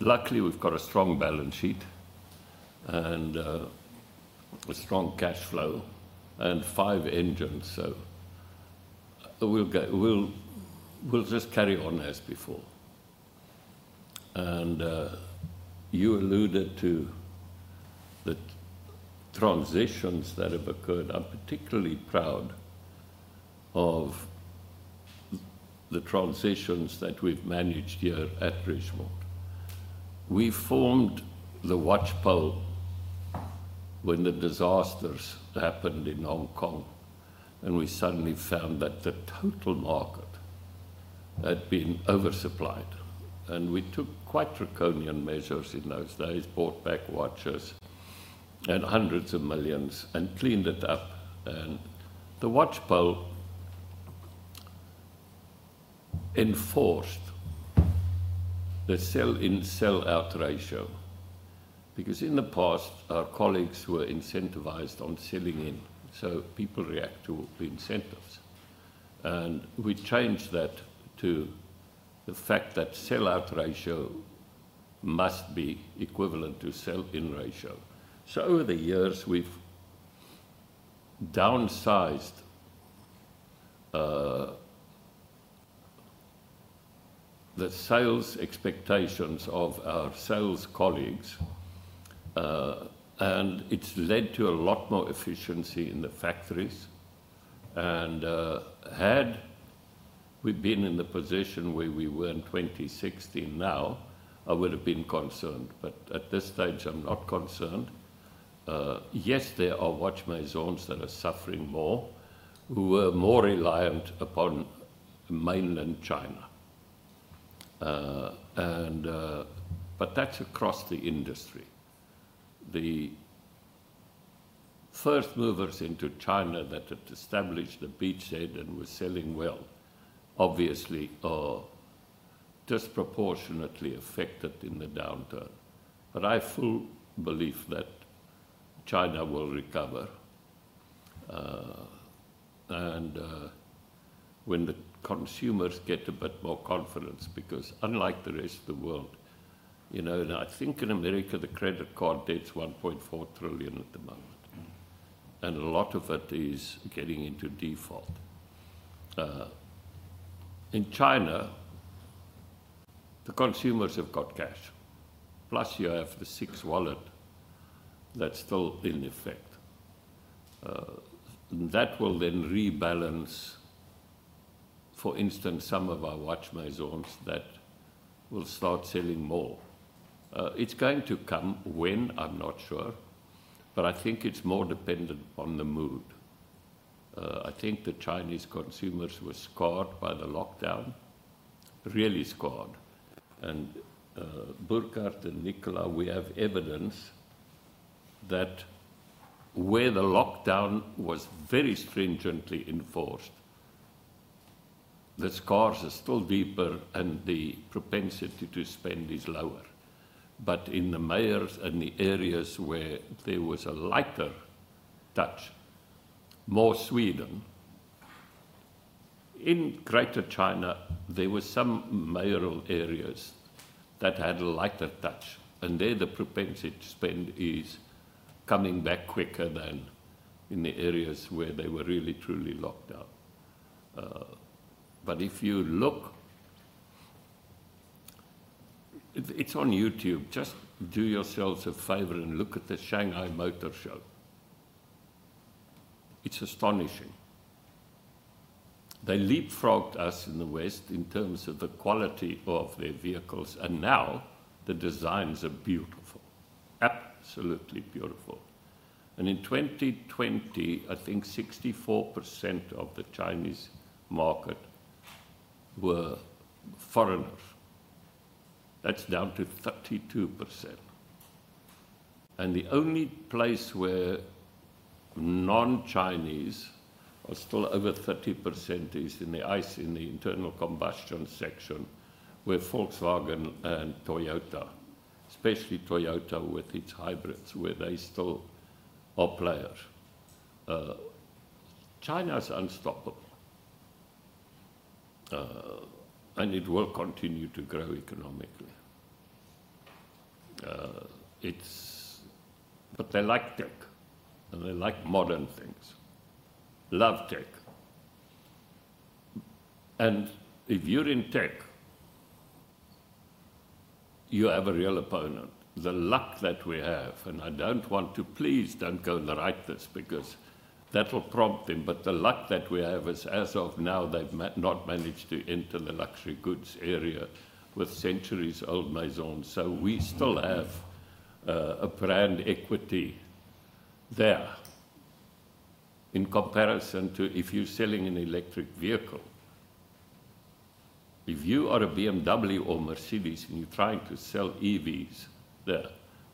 S5: Luckily, we have got a strong balance sheet and a strong cash flow and five engines, so we will just carry on as before. You alluded to the transitions that have occurred. I am particularly proud of the transitions that we have managed here at Richemont. We formed the watch pole when the disasters happened in Hong Kong, and we suddenly found that the total market had been oversupplied. We took quite draconian measures in those days, bought back watches in hundreds of millions and cleaned it up. The watch pole enforced the sell-in-sell-out ratio because in the past, our colleagues were incentivized on selling in, so people react to incentives. We changed that to the fact that the sell-out ratio must be equivalent to the sell-in ratio. Over the years, we've downsized the sales expectations of our sales colleagues, and it's led to a lot more efficiency in the factories. Had we been in the position where we were in 2016 now, I would have been concerned. At this stage, I'm not concerned. Yes, there are watch maisons that are suffering more, who were more reliant upon mainland China. That's across the industry. The first movers into China that had established the beachhead and were selling well, obviously, are disproportionately affected in the downturn. I fully believe that China will recover. When the consumers get a bit more confidence, because unlike the rest of the world, and I think in America, the credit card debt's $1.4 trillion at the moment, and a lot of it is getting into default. In China, the consumers have got cash. Plus, you have the six wallet that's still in effect. That will then rebalance, for instance, some of our watch maisons that will start selling more. It's going to come when, I'm not sure, but I think it's more dependent on the mood. I think the Chinese consumers were scarred by the lockdown, really scarred. Burkhart and Nicolas, we have evidence that where the lockdown was very stringently enforced, the scars are still deeper and the propensity to spend is lower. In the mayor's and the areas where there was a lighter touch, more Sweden, in greater China, there were some mayoral areas that had a lighter touch. There, the propensity to spend is coming back quicker than in the areas where they were really, truly locked down. If you look, it is on YouTube. Just do yourselves a favor and look at the Shanghai Motor Show. It is astonishing. They leapfrogged us in the West in terms of the quality of their vehicles, and now the designs are beautiful, absolutely beautiful. In 2020, I think 64% of the Chinese market were foreigners. That is down to 32%. The only place where non-Chinese are still over 30% is in the internal combustion section, where Volkswagen and Toyota, especially Toyota with its hybrids, where they still are players. China's unstoppable, and it will continue to grow economically. They like tech, and they like modern things, love tech. If you're in tech, you have a real opponent. The luck that we have, and I do not want to—please do not go and write this because that will prompt them, but the luck that we have is, as of now, they have not managed to enter the luxury goods area with centuries-old maisons. We still have a brand equity there in comparison to if you're selling an electric vehicle. If you are a BMW or Mercedes and you're trying to sell EVs,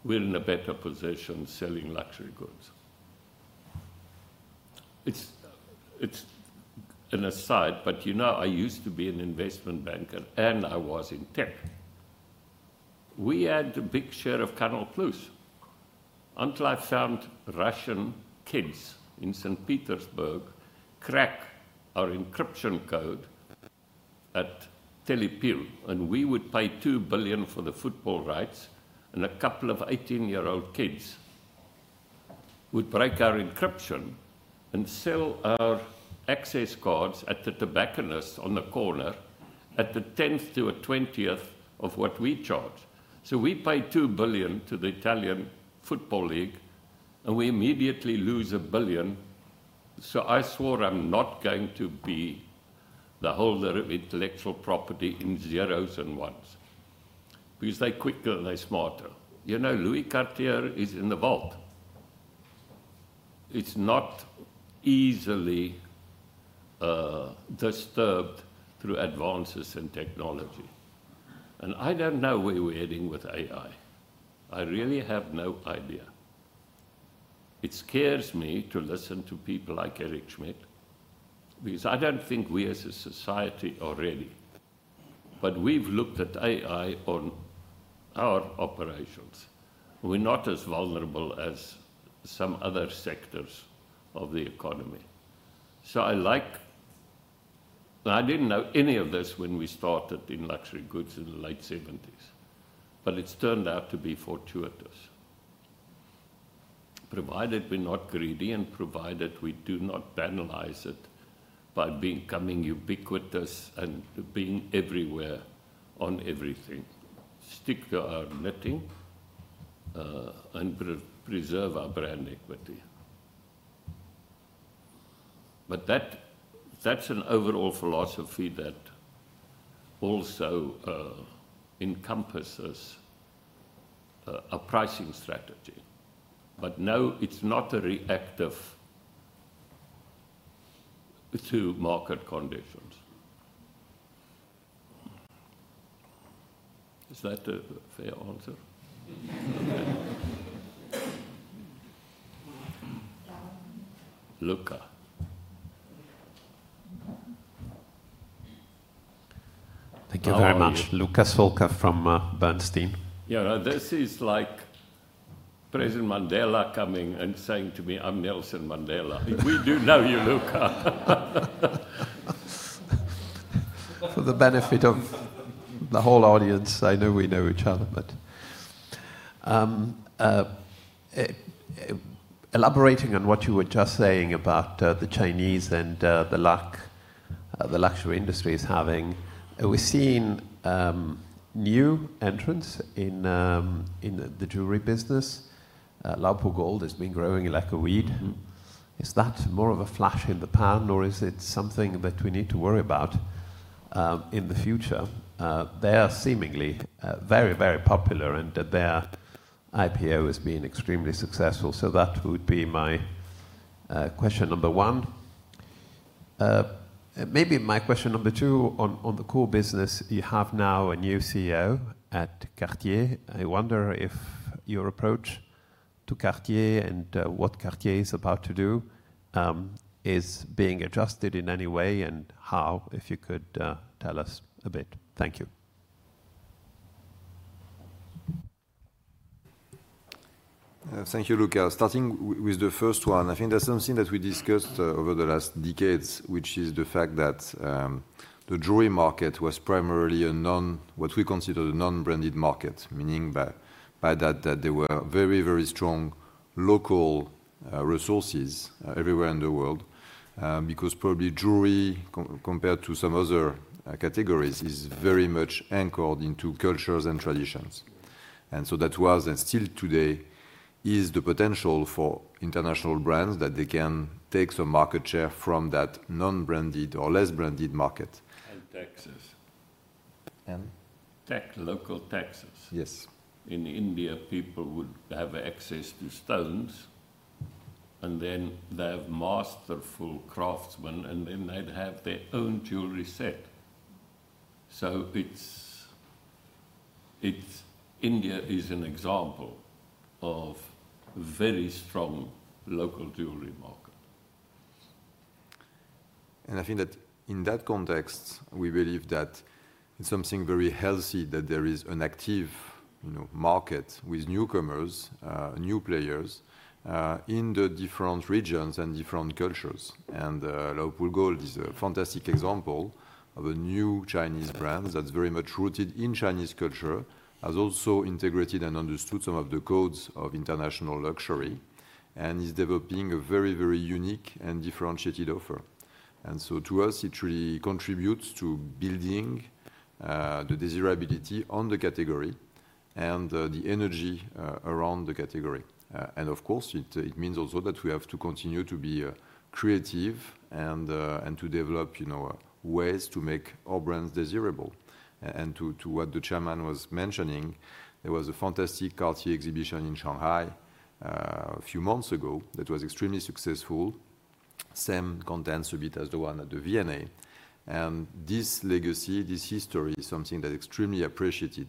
S5: we're in a better position selling luxury goods. It's an aside, but I used to be an investment banker, and I was in tech. We had a big share of Canal+ until I found Russian kids in St. Petersburg crack our encryption code at Telepiù, and we would pay 2 billion for the football rights, and a couple of 18-year-old kids would break our encryption and sell our access cards at the tobacconist on the corner at a tenth to a twentieth of what we charge. We pay 2 billion to the Italian football league, and we immediately lose 1 billion. I swore I'm not going to be the holder of intellectual property in zeros and ones because they're quicker and they're smarter. Louis Cartier is in the vault. It's not easily disturbed through advances in technology. I don't know where we're heading with AI. I really have no idea. It scares me to listen to people like Eric Schmidt because I don't think we as a society are ready. But we've looked at AI on our operations. We're not as vulnerable as some other sectors of the economy. I like—and I didn't know any of this when we started in luxury goods in the late 1970s, but it's turned out to be fortuitous, provided we're not greedy and provided we do not banalize it by becoming ubiquitous and being everywhere on everything. Stick to our knitting and preserve our brand equity. That's an overall philosophy that also encompasses a pricing strategy. No, it's not reactive to market conditions. Is that a fair answer? Luca.
S6: Thank you very much. Luca Solca from Bernstein.
S5: Yeah, this is like President Mandela coming and saying to me, "I'm Nelson Mandela." We do know you, Luca.
S6: For the benefit of the whole audience, I know we know each other, but elaborating on what you were just saying about the Chinese and the luxury industries having, we've seen new entrants in the jewelry business. Lao Feng Xiang has been growing like a weed. Is that more of a flash in the pan, or is it something that we need to worry about in the future? They are seemingly very, very popular, and their IPO has been extremely successful. That would be my question number one. Maybe my question number two on the core business. You have now a new CEO at Cartier. I wonder if your approach to Cartier and what Cartier is about to do is being adjusted in any way and how, if you could tell us a bit. Thank you.
S2: Thank you, Luca. Starting with the first one, I think there's something that we discussed over the last decades, which is the fact that the jewelry market was primarily a non—what we consider a non-branded market, meaning by that that there were very, very strong local resources everywhere in the world because probably jewelry, compared to some other categories, is very much anchored into cultures and traditions. That was and still today is the potential for international brands that they can take some market share from that non-branded or less branded market.
S5: Texas.
S2: And?
S5: Tech, local Texas.
S2: Yes.
S5: In India, people would have access to stones, and then they have masterful craftsmen, and then they'd have their own jewelry set. India is an example of a very strong local jewelry market.
S2: I think that in that context, we believe that it's something very healthy that there is an active market with newcomers, new players in the different regions and different cultures. Lao Feng Xiang is a fantastic example of a new Chinese brand that's very much rooted in Chinese culture, has also integrated and understood some of the codes of international luxury, and is developing a very, very unique and differentiated offer. To us, it really contributes to building the desirability on the category and the energy around the category. Of course, it means also that we have to continue to be creative and to develop ways to make our brands desirable. To what the Chairman was mentioning, there was a fantastic Cartier exhibition in Shanghai a few months ago that was extremely successful, same contents a bit as the one at the V&A. This legacy, this history is something that's extremely appreciated.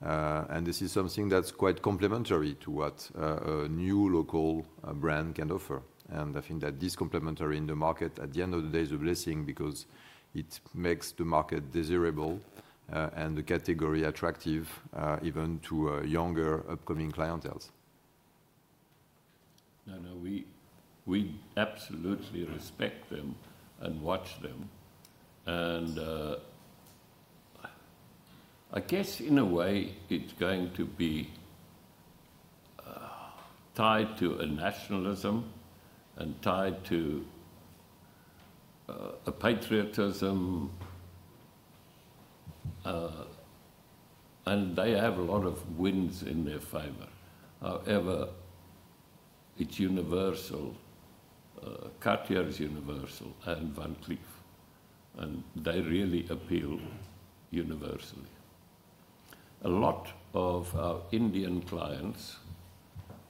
S2: This is something that's quite complementary to what a new local brand can offer. I think that this complementary in the market, at the end of the day, is a blessing because it makes the market desirable and the category attractive even to younger upcoming clienteles.
S5: No, no, we absolutely respect them and watch them. I guess in a way, it's going to be tied to a nationalism and tied to a patriotism. They have a lot of wins in their favor. However, it's universal. Cartier is universal and Van Cleef. They really appeal universally. A lot of our Indian clients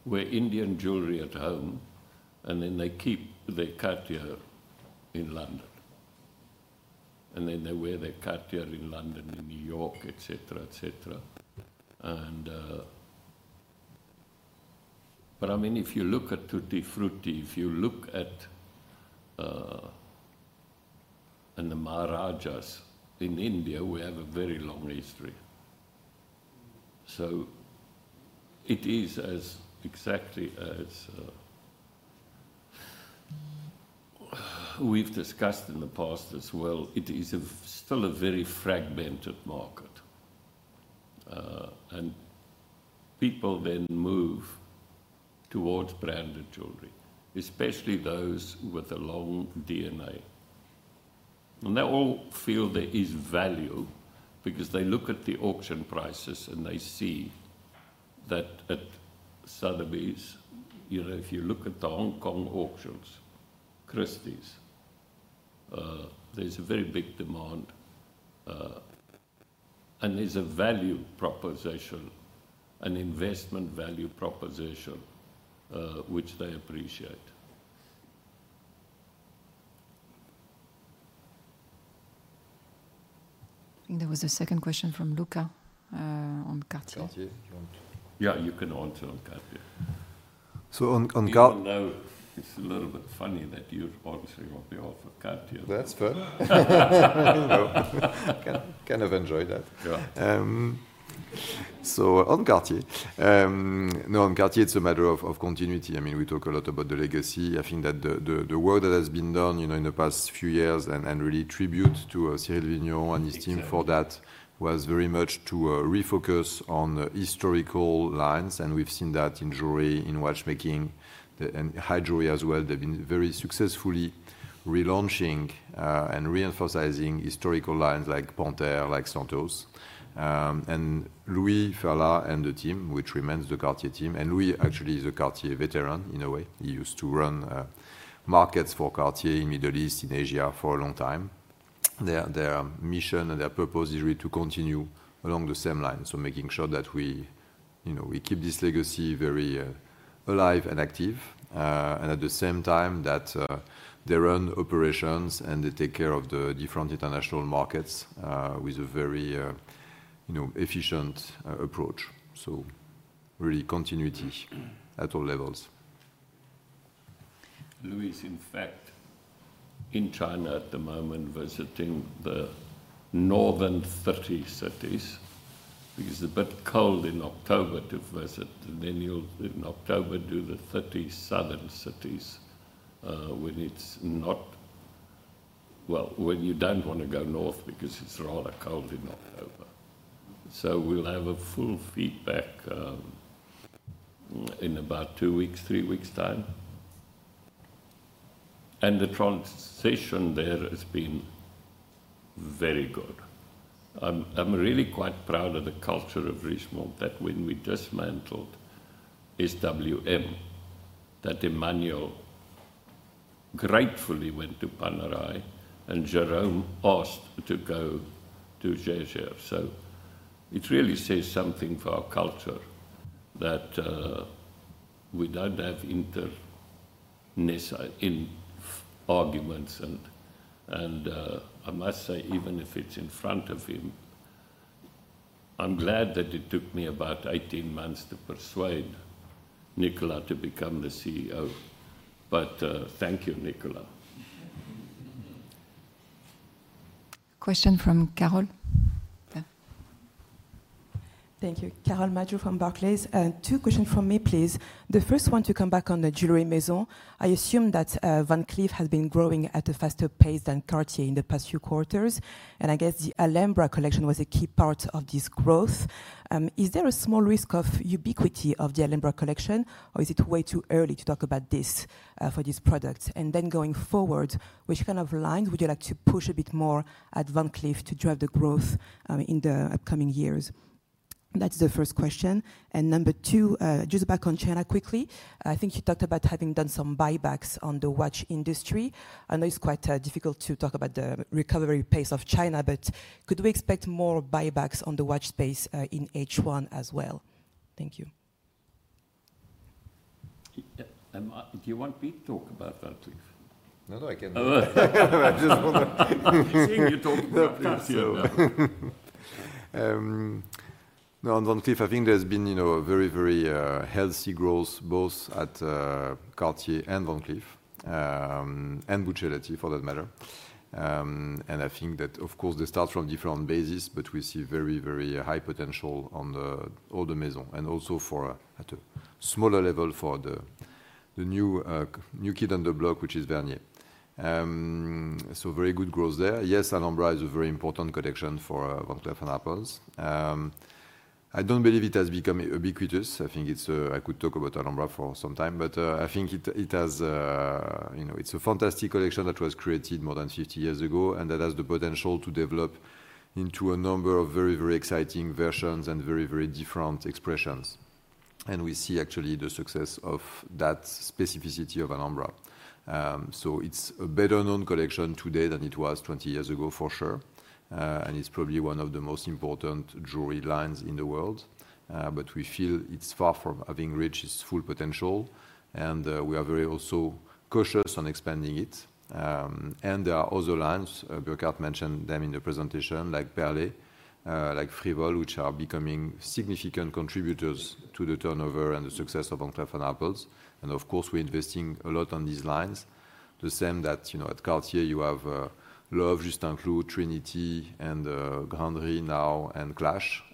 S5: wear Indian jewelry at home, and then they keep their Cartier in London. Then they wear their Cartier in London, in New York, etc., etc. I mean, if you look at Tutti Frutti, if you look at the Maharajas in India, we have a very long history. It is exactly as we've discussed in the past as well. It is still a very fragmented market. People then move towards branded jewelry, especially those with a long DNA. They all feel there is value because they look at the auction prices and they see that at Sotheby's, if you look at the Hong Kong auctions, Christie's, there is a very big demand. There is a value proposition, an investment value proposition, which they appreciate.
S1: I think there was a second question from Luca on Cartier. Cartier?
S5: Yeah, you can answer on Cartier.
S2: On Cartier.
S5: No, it's a little bit funny that you're answering on behalf of Cartier.
S2: That's fine. I kind of enjoy that. On Cartier. No, on Cartier, it's a matter of continuity. I mean, we talk a lot about the legacy. I think that the work that has been done in the past few years and really tribute to Cyrille Vigneron and his team for that was very much to refocus on historical lines. I mean, we've seen that in jewelry, in watchmaking, and high jewelry as well. They've been very successfully relaunching and reemphasizing historical lines like Panthère, like Santos. And Louis Ferla and the team, which remains the Cartier team. And Louis actually is a Cartier veteran in a way. He used to run markets for Cartier in the Middle East, in Asia for a long time. Their mission and their purpose is really to continue along the same line. I mean, making sure that we keep this legacy very alive and active. At the same time, they run operations and they take care of the different international markets with a very efficient approach. Really, continuity at all levels.
S5: Louis is, in fact, in China at the moment, visiting the northern 30 cities because it's a bit cold in October to visit. In October, you'll do the 30 southern cities when you don't want to go north because it's rather cold in October. We'll have a full feedback in about two weeks, three weeks' time. The transition there has been very good. I'm really quite proud of the culture of Richemont that when we dismantled SWM, Emmanuel gratefully went to Panerai and Jérôme asked to go to Jaeger. It really says something for our culture that we don't have interness in arguments. I must say, even if it's in front of him, I'm glad that it took me about 18 months to persuade Nicolas to become the CEO. Thank you, Nicolas.
S1: Question from Carol.
S7: Thank you. Carol Madjo from Barclays. Two questions from me, please. The first one, to come back on the jewelry maison. I assume that Van Cleef has been growing at a faster pace than Cartier in the past few quarters. I guess the Alhambra collection was a key part of this growth. Is there a small risk of ubiquity of the Alhambra collection, or is it way too early to talk about this for this product? Going forward, which kind of lines would you like to push a bit more at Van Cleef to drive the growth in the upcoming years? That's the first question. Number two, just back on China quickly. I think you talked about having done some buybacks on the watch industry. I know it's quite difficult to talk about the recovery pace of China, but could we expect more buybacks on the watch space in H1 as well? Thank you.
S5: Do you want me to talk about Van Cleef?
S2: No, no, I can.
S5: I just want to see you talk about Van Cleef.
S2: No, on Van Cleef, I think there's been a very, very healthy growth both at Cartier and Van Cleef and Buccellati, for that matter. I think that, of course, they start from different bases, but we see very, very high potential on the older maison and also at a smaller level for the new kid on the block, which is Vhernier. Very good growth there. Yes, Alhambra is a very important collection for Van Cleef have Love, Juste un Clou, Trinity, and Grain de now, and Clash.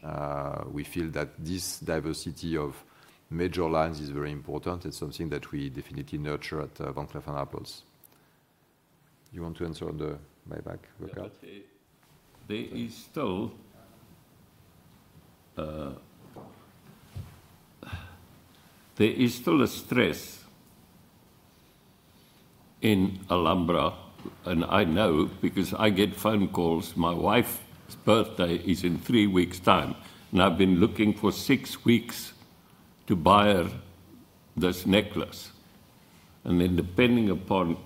S2: We feel that this diversity of major lines is very important. It's something that we definitely nurture at Van Cleef & Arpels. Do you want to answer the buyback?
S5: There is still a stress in Alhambra. I know because I get phone calls. My wife's birthday is in three weeks' time. I've been looking for six weeks to buy this necklace. Depending upon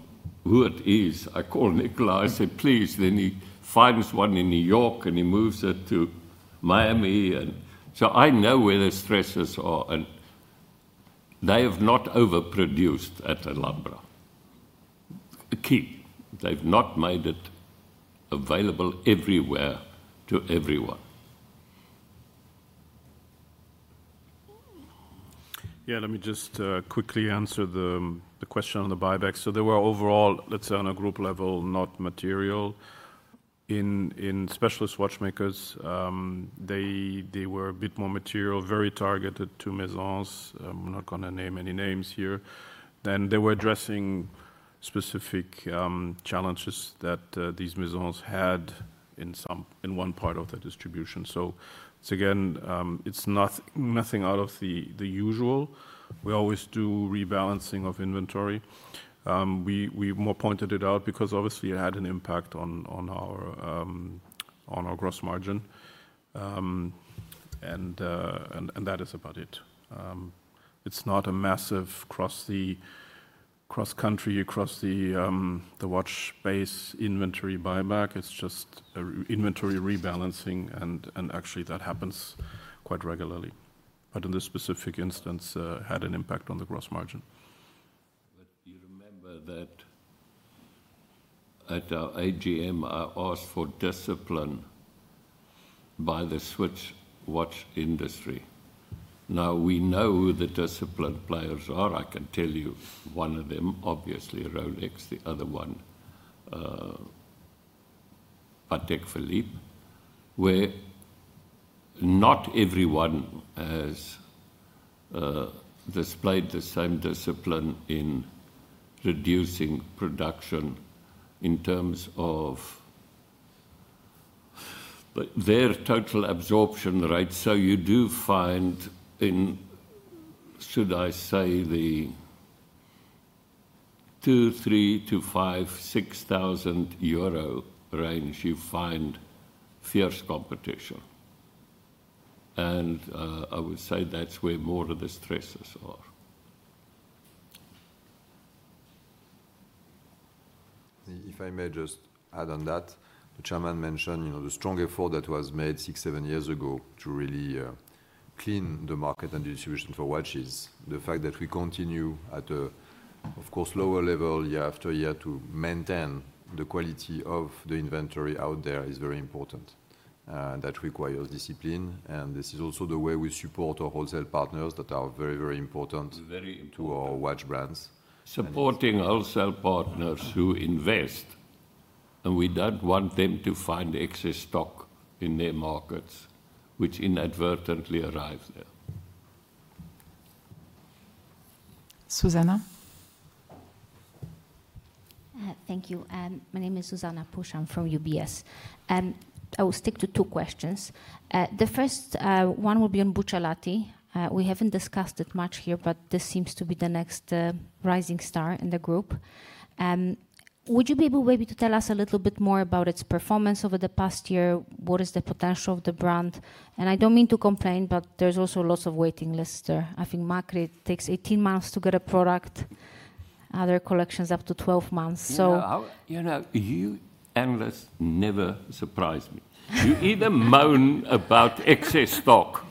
S5: who it is, I call Nicolas. I say, "Please." He finds one in New York, and he moves it to Miami. I know where the stresses are. They have not overproduced at Alhambra. They've not made it available everywhere to everyone.
S3: Let me just quickly answer the question on the buyback. There were overall, let's say, on a group level, not material. In specialist watchmakers, they were a bit more material, very targeted to maisons. I'm not going to name any names here. They were addressing specific challenges that these maisons had in one part of their distribution. Again, it's nothing out of the usual. We always do rebalancing of inventory. We more pointed it out because obviously it had an impact on our gross margin. That is about it. It's not a massive cross-country, across the watch base inventory buyback. It's just inventory rebalancing. Actually, that happens quite regularly. In this specific instance, it had an impact on the gross margin.
S5: You remember that at AGM, I asked for discipline by the Swiss watch industry. Now, we know who the discipline players are. I can tell you one of them, obviously, Rolex, the other one, Patek Philippe, where not everyone has displayed the same discipline in reducing production in terms of their total absorption, right? You do find in, should I say, the 2,000-3,000 to 5,000-6,000 euro range, you find fierce competition. I would say that's where more of the stresses are.
S2: If I may just add on that, the Chairman mentioned the strong effort that was made six, seven years ago to really clean the market and distribution for watches. The fact that we continue at a, of course, lower level year after year to maintain the quality of the inventory out there is very important. That requires discipline. This is also the way we support our wholesale partners that are very, very important to our watch brands.
S5: Supporting wholesale partners who invest. We do not want them to find excess stock in their markets, which inadvertently arrives there.
S1: Susanna?
S8: Thank you. My name is Zuzanna Pusz. I'm from UBS. I will stick to two questions. The first one will be on Buccellati. We haven't discussed it much here, but this seems to be the next rising star in the group. Would you be able maybe to tell us a little bit more about its performance over the past year? What is the potential of the brand? And I don't mean to complain, but there's also lots of waiting lists there. I think Macri takes 18 months to get a product. Other collections up to 12 months.
S5: You know, you analysts never surprise me. You either moan about excess stock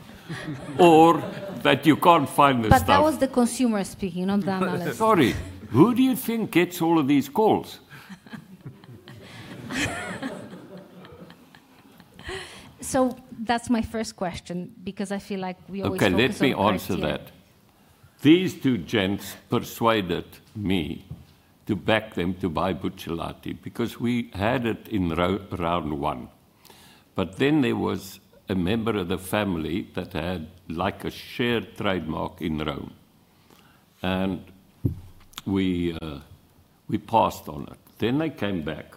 S5: or that you can't find the stock.
S8: That was the consumer speaking, not the analyst.
S5: Sorry. Who do you think gets all of these calls?
S8: That is my first question because I feel like we always have to answer.
S5: Okay, let me answer that. These two gents persuaded me to back them to buy Buccellati because we had it in round one. There was a member of the family that had a shared trademark in Rome. We passed on it. They came back,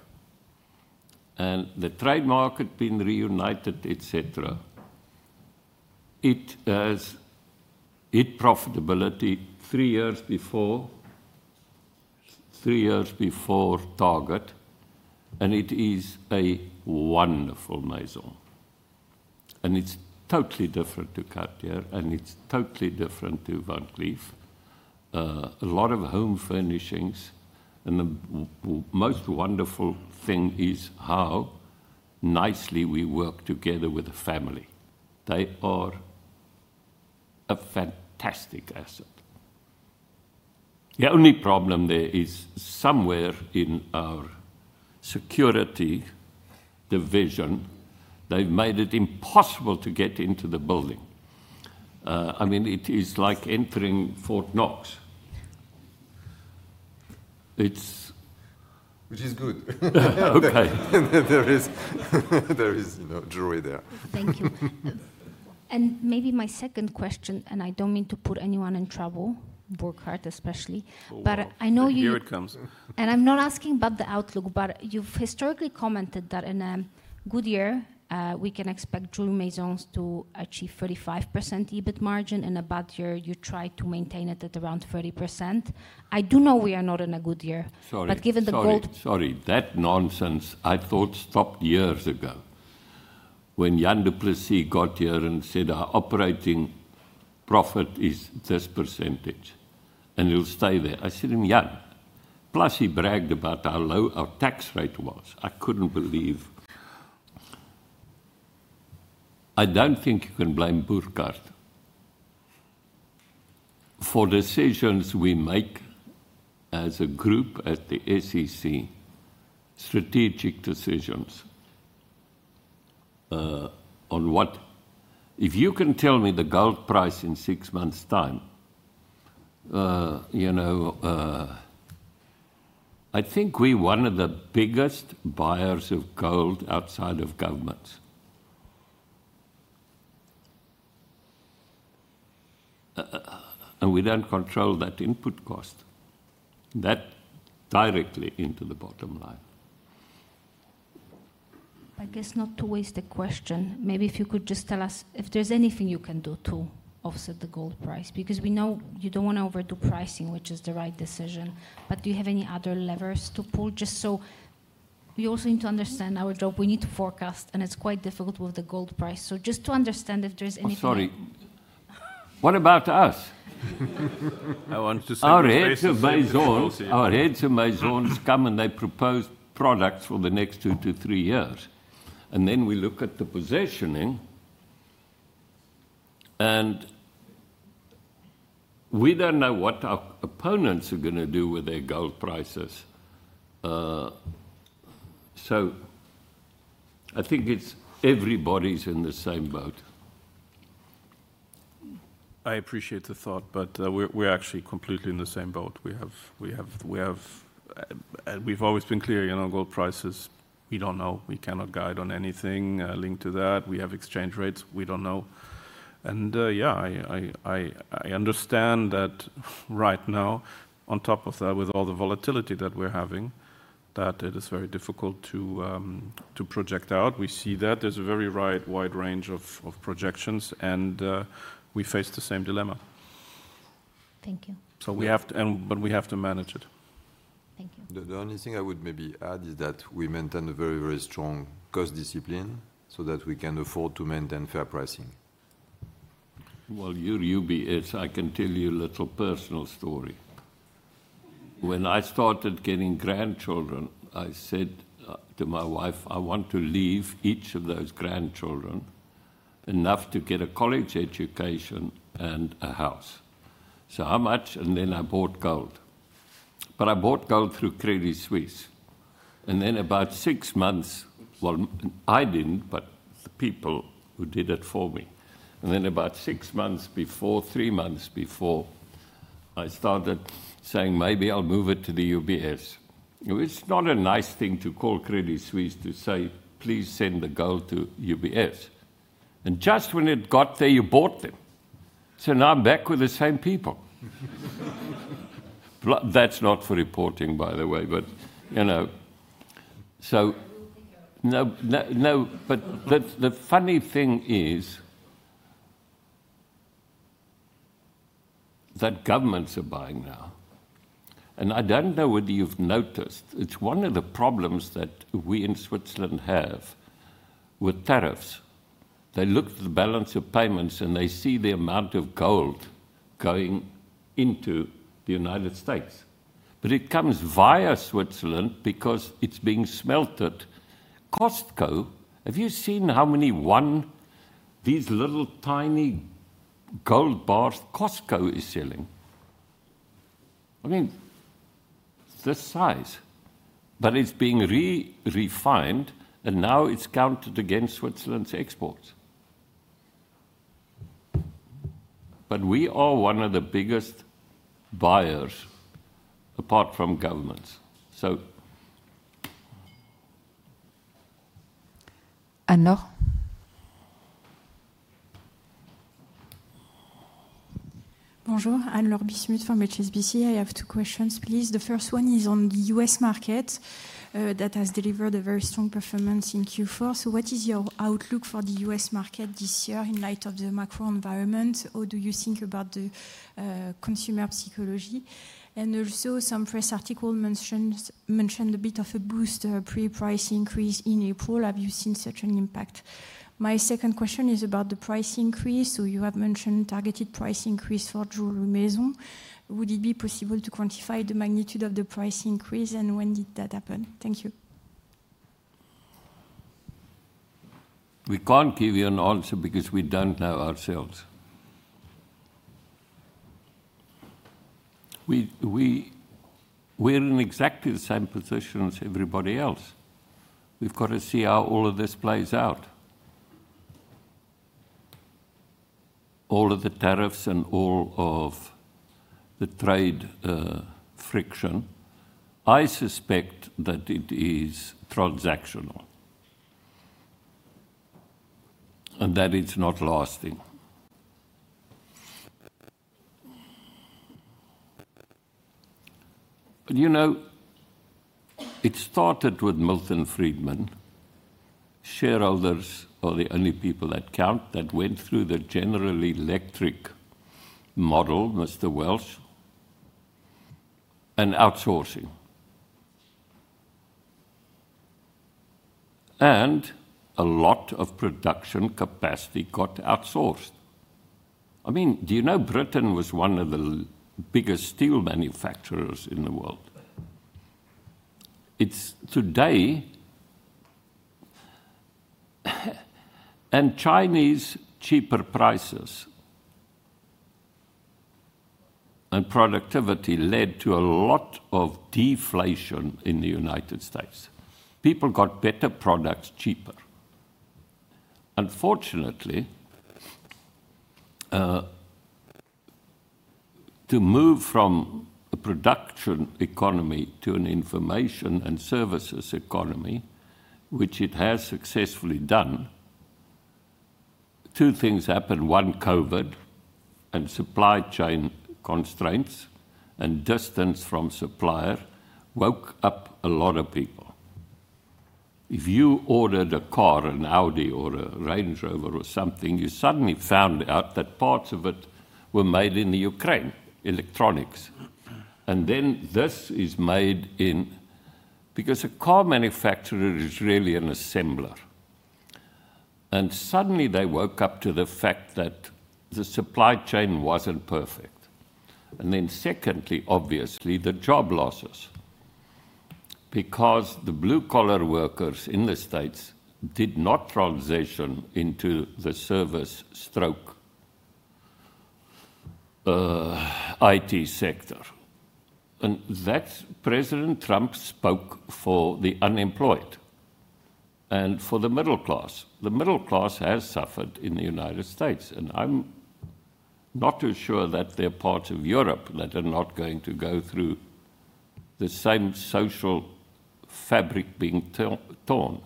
S5: and the trademark had been reunited, etc. It has hit profitability three years before, three years before target. It is a wonderful maison. It is totally different to Cartier. It is totally different to Van Cleef. A lot of home furnishings. The most wonderful thing is how nicely we work together with the family. They are a fantastic asset. The only problem there is somewhere in our security division, they've made it impossible to get into the building. I mean, it is like entering Fort Knox. It's, which is good. Okay. There is joy there.
S8: Thank you. Maybe my second question, and I don't mean to put anyone in trouble, Burkhart especially, but I know you. Here it comes. I'm not asking about the outlook, but you've historically commented that in a good year, we can expect jewelry maisons to achieve 35% EBIT margin. In a bad year, you try to maintain it at around 30%. I do know we are not in a good year. Given the gold.
S5: Sorry, that nonsense, I thought stopped years ago when Jan du Plessis got here and said, "Our operating profit is this percentage, and it'll stay there." I said, "I'm young." Plus, he bragged about how low our tax rate was. I couldn't believe. I don't think you can blame Burkhart for decisions we make as a group at the SEC, strategic decisions on what. If you can tell me the gold price in six months' time, I think we're one of the biggest buyers of gold outside of governments. We don't control that input cost. That directly into the bottom line.
S8: I guess not to waste a question. Maybe if you could just tell us if there's anything you can do to offset the gold price because we know you don't want to overdo pricing, which is the right decision. Do you have any other levers to pull? Just so we also need to understand our job. We need to forecast, and it's quite difficult with the gold price. Just to understand if there's anything.
S5: Oh, sorry. What about us? I want to say our heads of maisons come and they propose products for the next two to three years. Then we look at the positioning. We don't know what our opponents are going to do with their gold prices. I think everybody's in the same boat.
S3: I appreciate the thought, but we're actually completely in the same boat. We have always been clear on gold prices. We don't know. We cannot guide on anything linked to that. We have exchange rates. We don't know. Yeah, I understand that right now, on top of that, with all the volatility that we're having, that it is very difficult to project out. We see that. There's a very wide range of projections, and we face the same dilemma.
S8: Thank you.
S3: But we have to manage it.
S8: Thank you.
S2: The only thing I would maybe add is that we maintain a very, very strong cost discipline so that we can afford to maintain fair pricing.
S5: You be it. I can tell you a little personal story. When I started getting grandchildren, I said to my wife, "I want to leave each of those grandchildren enough to get a college education and a house." So how much? And then I bought gold. I bought gold through Crédit Suisse. And then about six months, I did not, but the people who did it for me. About six months before, three months before, I started saying, "Maybe I'll move it to the UBS." It's not a nice thing to call Crédit Suisse to say, "Please send the gold to UBS." Just when it got there, you bought them. Now I'm back with the same people. That's not for reporting, by the way. No, the funny thing is that governments are buying now. I don't know whether you've noticed. It's one of the problems that we in Switzerland have with tariffs. They look at the balance of payments, and they see the amount of gold going into the United States. It comes via Switzerland because it's being smelted. Costco, have you seen how many of these little tiny gold bars Costco is selling? I mean, this size. It's being refined, and now it's counted against Switzerland's exports. But we are one of the biggest buyers apart from governments.
S1: Anne-Laure?
S9: Bonjour. Anne-Laure Bismuth from HSBC. I have two questions, please. The first one is on the U.S. market that has delivered a very strong performance in Q4. What is your outlook for the U.S. market this year in light of the macro environment? How do you think about the consumer psychology? Also, some press articles mentioned a bit of a boost, a pre-price increase in April. Have you seen such an impact? My second question is about the price increase. You have mentioned targeted price increase for jewelry maison. Would it be possible to quantify the magnitude of the price increase? When did that happen? Thank you.
S5: We can't give you an answer because we don't know ourselves. We're in exactly the same position as everybody else. We've got to see how all of this plays out. All of the tariffs and all of the trade friction. I suspect that it is transactional and that it's not lasting. It started with Milton Friedman. Shareholders are the only people that count that went through the General Electric model, Mr. Welch, and outsourcing. A lot of production capacity got outsourced. I mean, do you know Britain was one of the biggest steel manufacturers in the world? Chinese cheaper prices and productivity led to a lot of deflation in the United States. People got better products cheaper. Unfortunately, to move from a production economy to an information and services economy, which it has successfully done, two things happened. One, COVID and supply chain constraints and distance from supplier woke up a lot of people. If you ordered a car, an Audi or a Range Rover or something, you suddenly found out that parts of it were made in Ukraine, electronics. This is made in because a car manufacturer is really an assembler. Suddenly they woke up to the fact that the supply chain was not perfect. Secondly, obviously, the job losses because the blue-collar workers in the states. did not transition into the service stroke IT sector. President Trump spoke for the unemployed and for the middle class. The middle class has suffered in the United States. I'm not too sure that there are parts of Europe that are not going to go through the same social fabric being torn.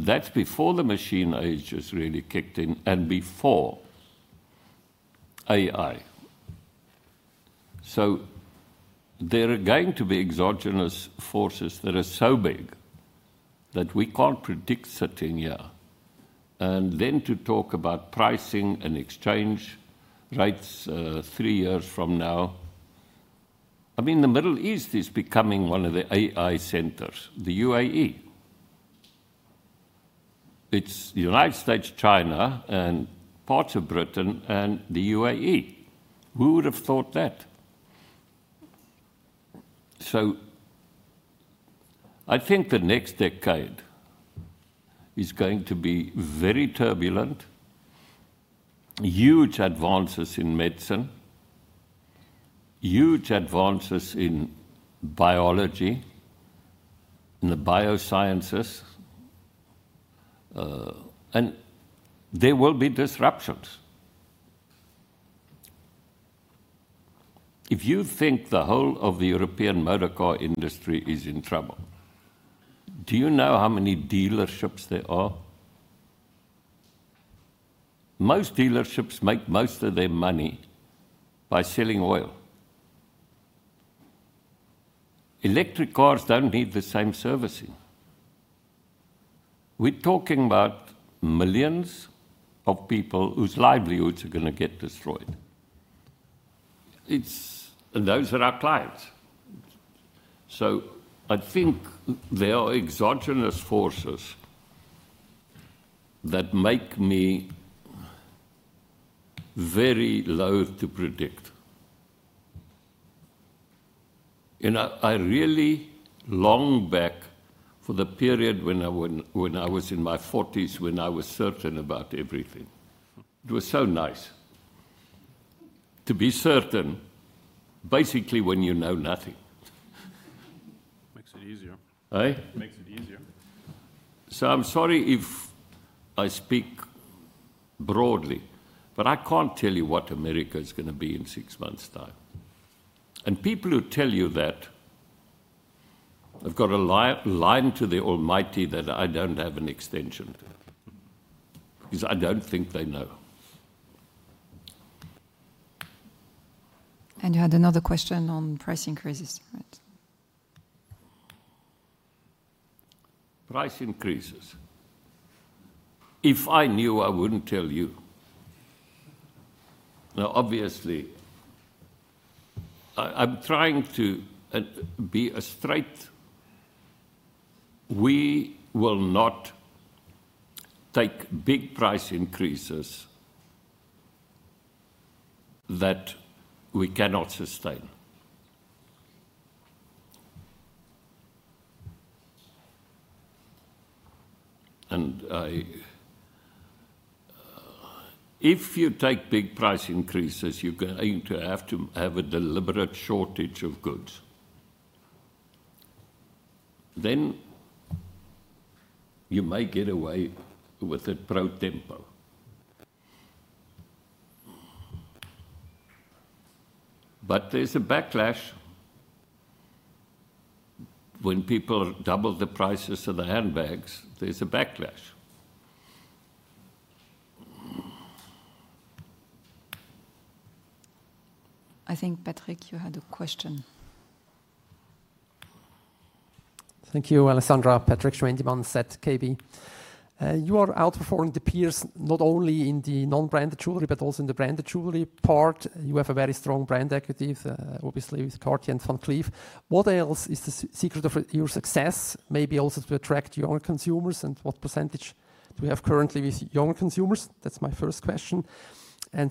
S5: That's before the machine age has really kicked in and before AI. There are going to be exogenous forces that are so big that we can't predict certainly. To talk about pricing and exchange rates three years from now. I mean, the Middle East is becoming one of the AI centers, the UAE. It's the United States, China, and parts of Britain and the UAE. Who would have thought that? I think the next decade is going to be very turbulent. Huge advances in medicine, huge advances in biology, in the biosciences. There will be disruptions. If you think the whole of the European motorcar industry is in trouble, do you know how many dealerships there are? Most dealerships make most of their money by selling oil. Electric cars don't need the same servicing. We're talking about millions of people whose livelihoods are going to get destroyed. Those are our clients. I think there are exogenous forces that make me very low to predict. I really long back for the period when I was in my 40s when I was certain about everything. It was so nice to be certain, basically, when you know nothing. Makes it easier. Makes it easier. I'm sorry if I speak broadly, but I can't tell you what America is going to be in six months' time. People who tell you that have got a line to the Almighty that I don't have an extension to because I don't think they know.
S1: You had another question on price increases, right?
S5: Price increases. If I knew, I wouldn't tell you. Now, obviously, I'm trying to be straight. We will not take big price increases that we cannot sustain. If you take big price increases, you're going to have to have a deliberate shortage of goods. You may get away with a pro tempo. There is a backlash when people double the prices of the handbags. There is a backlash.
S1: I think, Patrick, you had a question.
S10: Thank you, Alessandra. Patrik Schwendimann from ZKB, you are outperforming the peers not only in the non-branded jewelry, but also in the branded jewelry part. You have a very strong brand equity, obviously, with Cartier and Van Cleef. What else is the secret of your success? Maybe also to attract younger consumers? And what percentage do you have currently with young consumers?" That is my first question.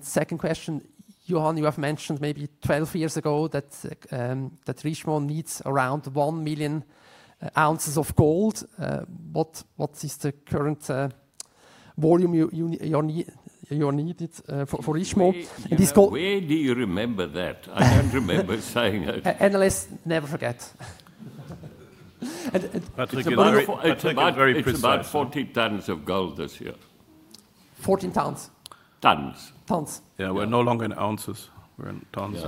S10: Second question, Johann, you have mentioned maybe 12 years ago that Richemont needs around 1 million ounces of gold. What is the current volume you are needed for Richemont? And this gold.
S5: Where do you remember that? I do not remember saying that.
S10: Analyst, never forget.
S5: And Patrick, you are about 40 tons of gold this year.
S10: Fourteen tons.
S5: Tons.
S10: Tons.
S3: Yeah, we are no longer in ounces. We are in tons.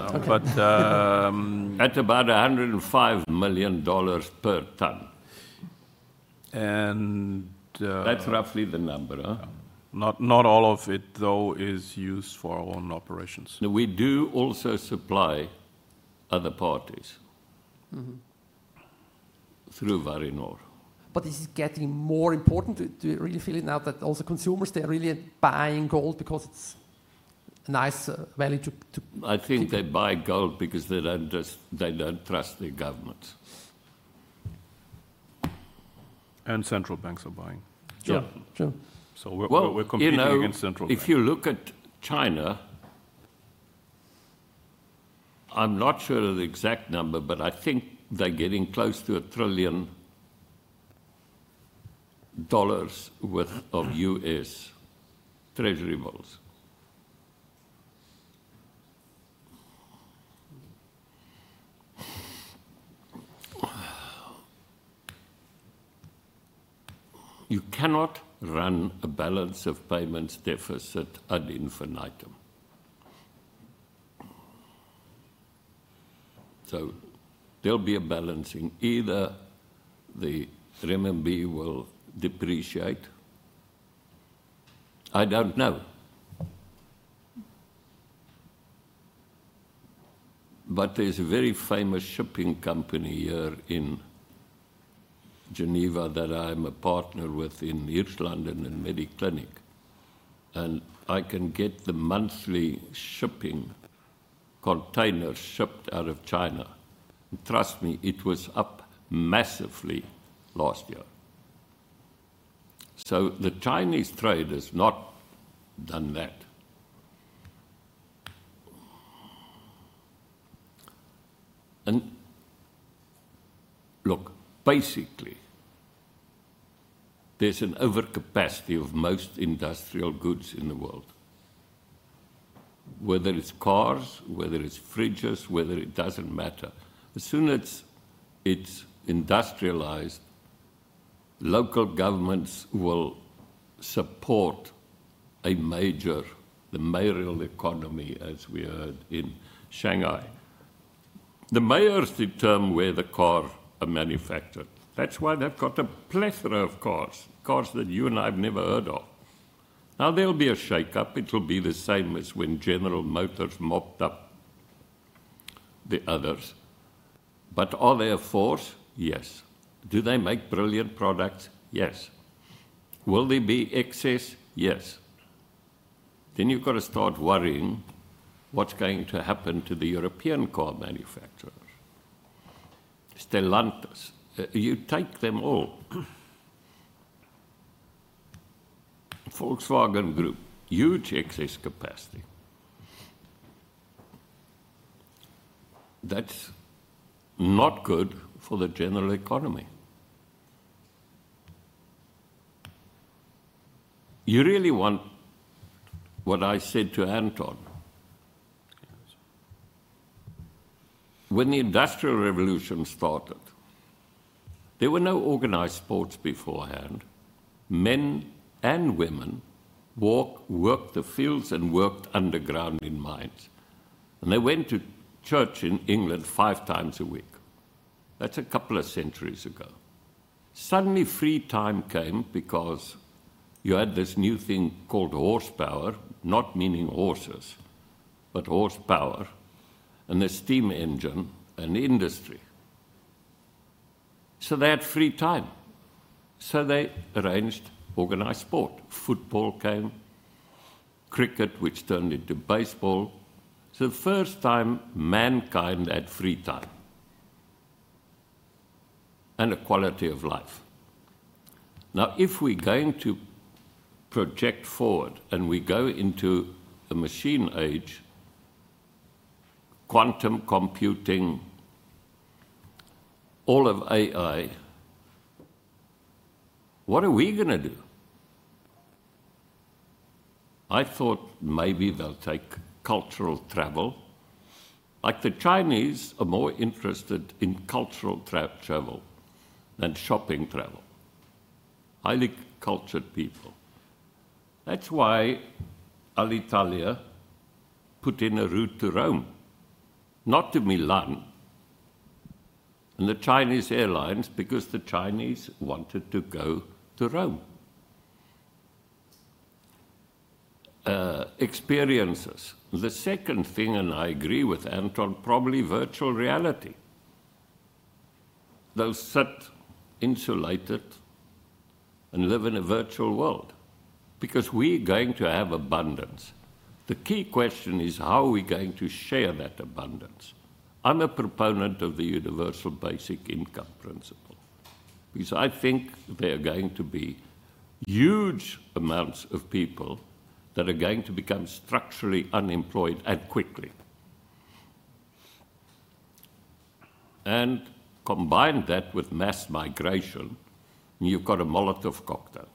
S5: At about $105 million per ton. That is roughly the number.
S3: Not all of it, though, is used for our own operations.
S5: We do also supply other parties through Varinor.
S10: Is it getting more important to really fill it now that also consumers, they are really buying gold because it is a nice value too?
S5: I think they buy gold because they do not trust their governments.
S3: Central banks are buying. We are competing against central banks.
S5: If you look at China, I am not sure of the exact number, but I think they are getting close to a trillion dollars' worth of U.S. treasury bills. You cannot run a balance of payments deficit ad infinitum. There'll be a balancing. Either the renminbi will depreciate. I don't know. There's a very famous shipping company here in Geneva that I'm a partner with in Hirslanden and in Mediclinic. I can get the monthly shipping containers shipped out of China. Trust me, it was up massively last year. The Chinese trade has not done that. Look, basically, there's an overcapacity of most industrial goods in the world, whether it's cars, whether it's fridges, whether it doesn't matter. As soon as it's industrialized, local governments will support the mayoral economy, as we heard in Shanghai. The mayors determine where the cars are manufactured. That's why they've got a plethora of cars, cars that you and I have never heard of. There'll be a shake-up. It'll be the same as when General Motors mopped up the others. Are they a force? Yes. Do they make brilliant products? Yes. Will there be excess? Yes. You have got to start worrying what's going to happen to the European car manufacturers. Stellantis, you take them all. Volkswagen Group, huge excess capacity. That is not good for the general economy. You really want what I said to Anton. When the Industrial Revolution started, there were no organized sports beforehand. Men and women walked, worked the fields, and worked underground in mines. They went to church in England five times a week. That is a couple of centuries ago. Suddenly, free time came because you had this new thing called horsepower, not meaning horses, but horsepower and the steam engine, an industry. They had free time. They arranged organized sport. Football came, cricket, which turned into baseball. For the first time, mankind had free time and a quality of life. Now, if we're going to project forward and we go into the machine age, quantum computing, all of AI, what are we going to do? I thought maybe they'll take cultural travel. The Chinese are more interested in cultural travel than shopping travel. Highly cultured people. That's why Alitalia put in a route to Rome, not to Milan, and the Chinese airlines because the Chinese wanted to go to Rome. Experiences. The second thing, and I agree with Anton, probably virtual reality. Those sit insulated and live in a virtual world because we're going to have abundance. The key question is how are we going to share that abundance? I'm a proponent of the universal basic income principle because I think there are going to be huge amounts of people that are going to become structurally unemployed and quickly. Combine that with mass migration, and you've got a Molotov cocktail.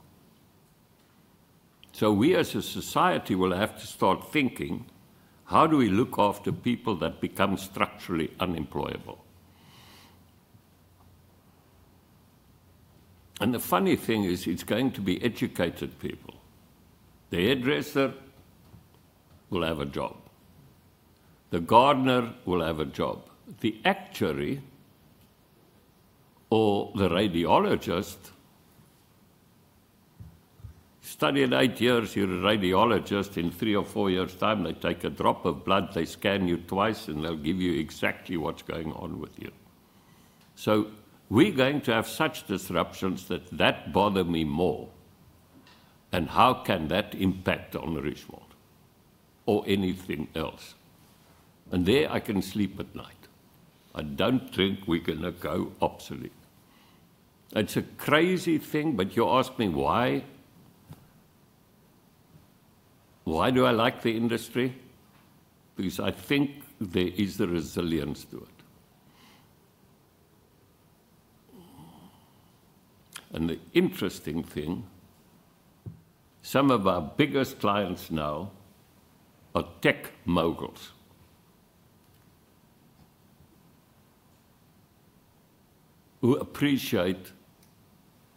S5: We, as a society, will have to start thinking, how do we look after people that become structurally unemployable? The funny thing is it's going to be educated people. The hairdresser will have a job. The gardener will have a job. The actuary or the radiologist studied eight years. You're a radiologist. In three or four years' time, they take a drop of blood, they scan you twice, and they'll give you exactly what's going on with you. We're going to have such disruptions that that bothers me more. How can that impact on the rich world or anything else? There I can sleep at night. I don't think we're going to go obsolete. It's a crazy thing, but you ask me why, why do I like the industry? Because I think there is a resilience to it. The interesting thing, some of our biggest clients now are tech moguls who appreciate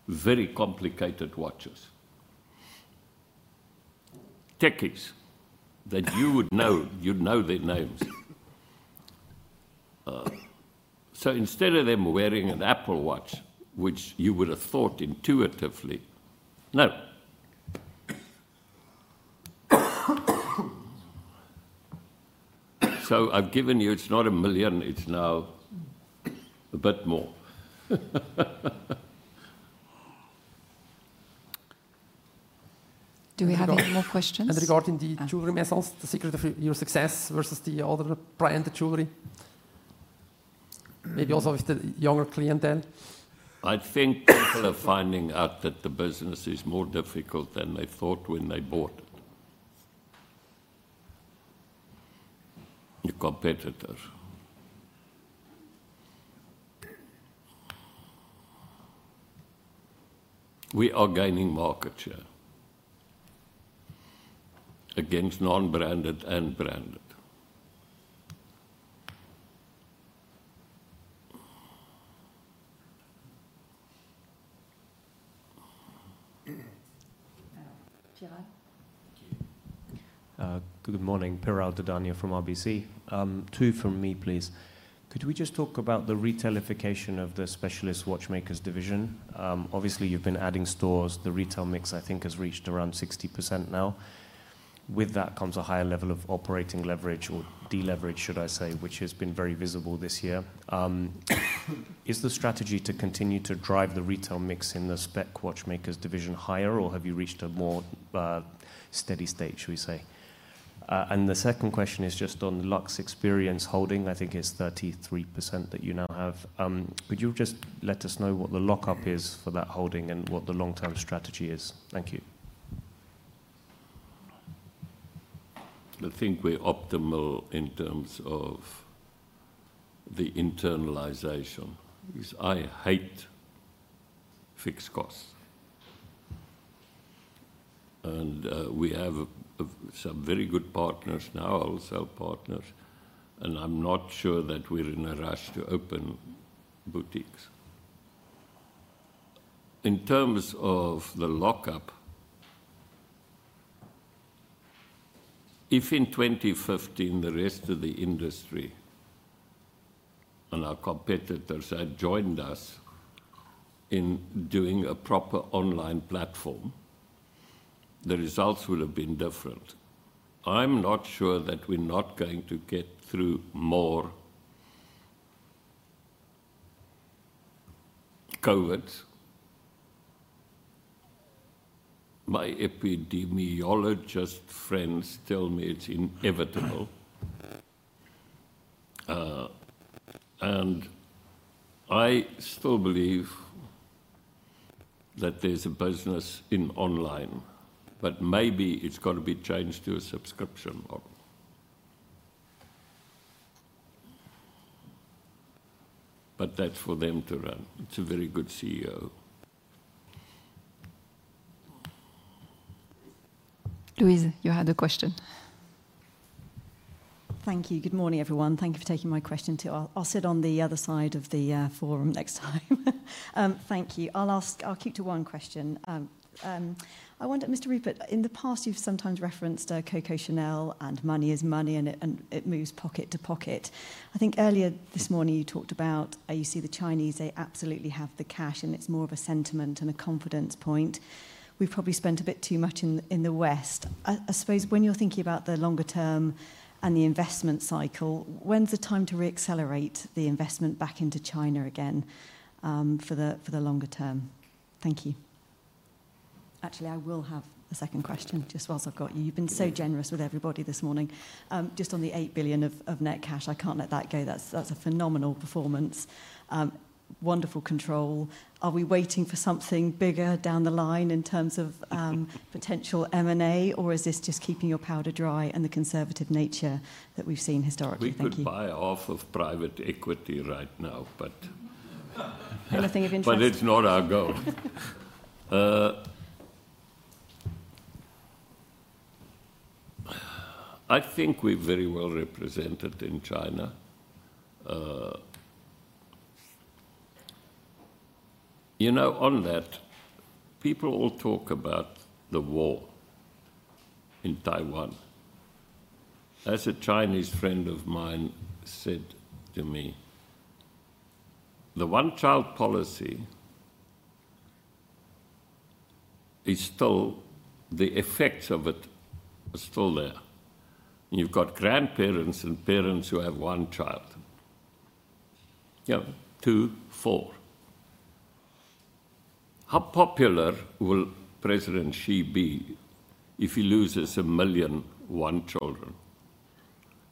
S5: very complicated watches, techies that you would know. You'd know their names. Instead of them wearing an Apple Watch, which you would have thought intuitively, no. I've given you it's not a million. It's now a bit more.
S1: Do we have any more questions?
S10: Regarding the jewelry myself, the secret of your success versus the other branded jewelry, maybe also with the younger clientele?
S5: I think people are finding out that the business is more difficult than they thought when they bought it. Your competitors. We are gaining market share against non-branded and branded.
S11: Thank you. Good morning. Piral Dadhania from RBC. Two from me, please. Could we just talk about the retailification of the specialist watchmakers division? Obviously, you've been adding stores. The retail mix, I think, has reached around 60% now. With that comes a higher level of operating leverage or deleverage, should I say, which has been very visible this year. Is the strategy to continue to drive the retail mix in the specialist watchmakers division higher, or have you reached a more steady state, shall we say? The second question is just on Luxe Experience Holding. I think it's 33% that you now have. Could you just let us know what the lockup is for that holding and what the long-term strategy is? Thank you.
S5: I think we're optimal in terms of the internalization because I hate fixed costs. We have some very good partners now, wholesale partners, and I'm not sure that we're in a rush to open boutiques. In terms of the lockup, if in 2015 the rest of the industry and our competitors had joined us in doing a proper online platform, the results would have been different. I'm not sure that we're not going to get through more COVID. My epidemiologist friends tell me it's inevitable. I still believe that there's a business in online. Maybe it's got to be changed to a subscription model. That's for them to run. It's a very good CEO.
S1: Louise, you had a question. Thank you. Good morning, everyone. Thank you for taking my question, too. I'll sit on the other side of the forum next time. Thank you. I'll keep to one question. I wonder, Mr. Rupert, in the past, you've sometimes referenced Coco Chanel and money is money, and it moves pocket to pocket. I think earlier this morning you talked about, you see the Chinese, they absolutely have the cash, and it's more of a sentiment and a confidence point. We've probably spent a bit too much in the West. I suppose when you're thinking about the longer term and the investment cycle, when's the time to reaccelerate the investment back into China again for the longer term? Thank you. Actually, I will have a second question just whilst I've got you. You've been so generous with everybody this morning. Just on the 8 billion of net cash, I can't let that go. That's a phenomenal performance. Wonderful control. Are we waiting for something bigger down the line in terms of potential M&A, or is this just keeping your powder dry and the conservative nature that we've seen historically?
S5: We could buy off of private equity right now, but. Anything of interest? It is not our goal. I think we're very well represented in China. On that, people all talk about the war in Taiwan. As a Chinese friend of mine said to me, the one-child policy is still—the effects of it are still there. You've got grandparents and parents who have one child. Two, four. How popular will President Xi be if he loses a million one-children?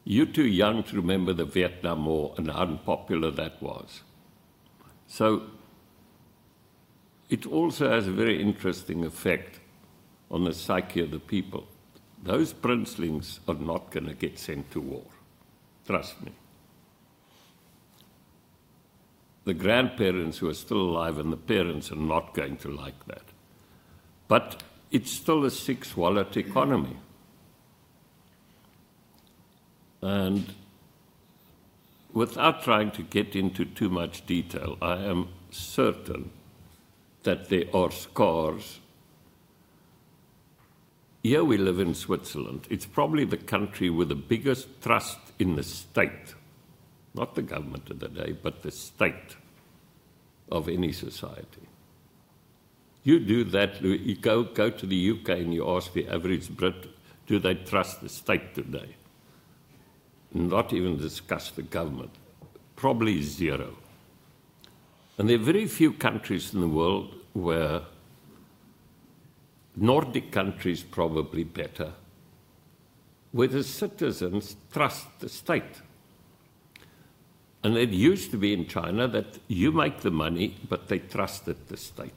S5: You're too young to remember the Vietnam War and how unpopular that was. It also has a very interesting effect on the psyche of the people. Those princelings are not going to get sent to war, trust me. The grandparents who are still alive and the parents are not going to like that. It is still a six-wallet economy. Without trying to get into too much detail, I am certain that there are scars. Yeah, we live in Switzerland. It's probably the country with the biggest trust in the state, not the government of the day, but the state of any society. You do that, you go to the U.K. and you ask the average Brit, do they trust the state today? Not even discuss the government. Probably zero. There are very few countries in the world where Nordic countries are probably better, where the citizens trust the state. It used to be in China that you make the money, but they trusted the state.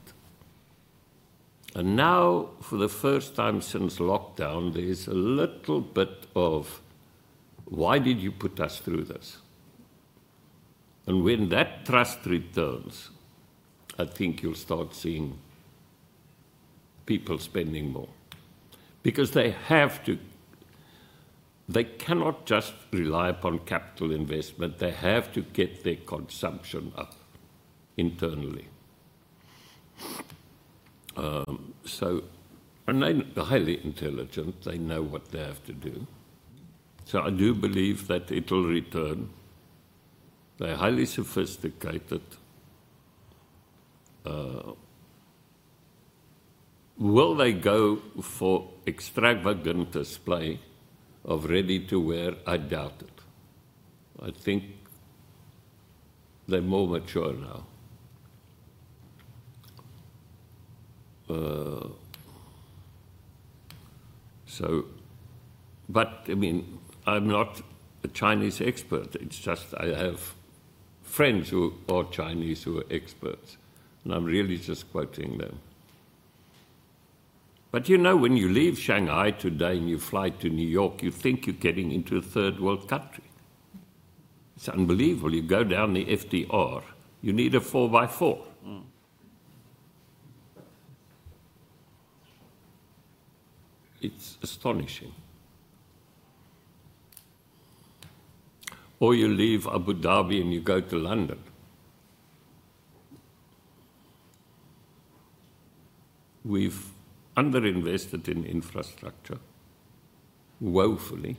S5: Now, for the first time since lockdown, there's a little bit of, why did you put us through this? When that trust returns, I think you'll start seeing people spending more because they cannot just rely upon capital investment. They have to get their consumption up internally. They're highly intelligent. They know what they have to do. I do believe that it'll return. They're highly sophisticated. Will they go for extravagant display of ready-to-wear? I doubt it. I think they're more mature now. I mean, I'm not a Chinese expert. It's just I have friends who are Chinese who are experts, and I'm really just quoting them. When you leave Shanghai today and you fly to New York, you think you're getting into a third-world country. It's unbelievable. You go down the FDR, you need a 4x4. It's astonishing. You leave Abu Dhabi and you go to London. We've underinvested in infrastructure, woefully.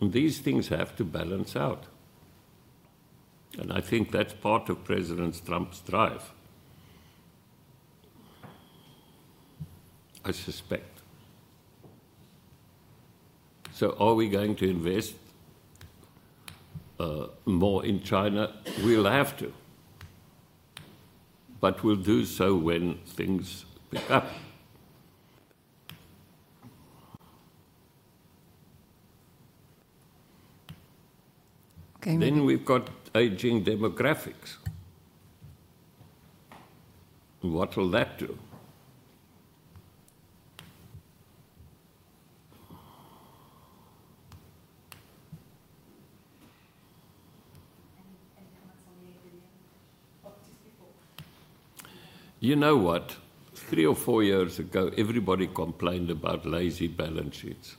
S5: These things have to balance out. I think that's part of President Trump's drive, I suspect. Are we going to invest more in China? We'll have to, but we'll do so when things pick up. We've got aging demographics. What will that do? You know what? Three or four years ago, everybody complained about lazy balance sheets.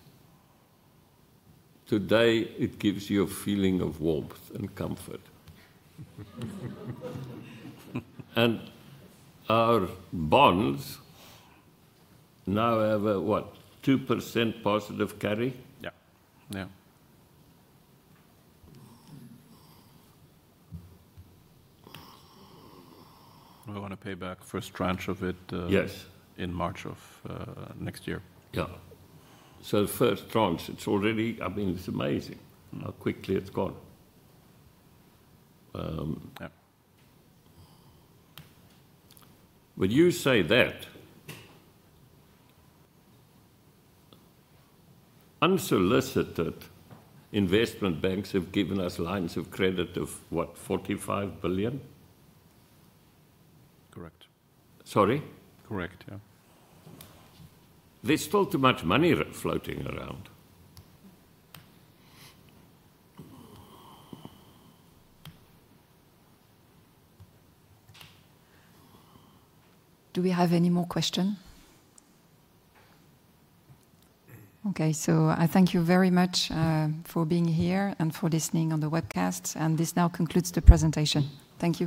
S5: Today, it gives you a feeling of warmth and comfort. And our bonds now have a, what, 2% positive carry?
S3: Yeah. Yeah. We want to pay back the first tranche of it in March of next year.
S5: Yeah. So the first tranche, it's already, I mean, it's amazing how quickly it's gone. Would you say that unsolicited investment banks have given us lines of credit of, what, 45 billion?
S3: Correct.
S5: Sorry?
S3: Correct, yeah.
S5: There's still too much money floating around.
S1: Do we have any more questions? Okay. I thank you very much for being here and for listening on the webcast. This now concludes the presentation. Thank you.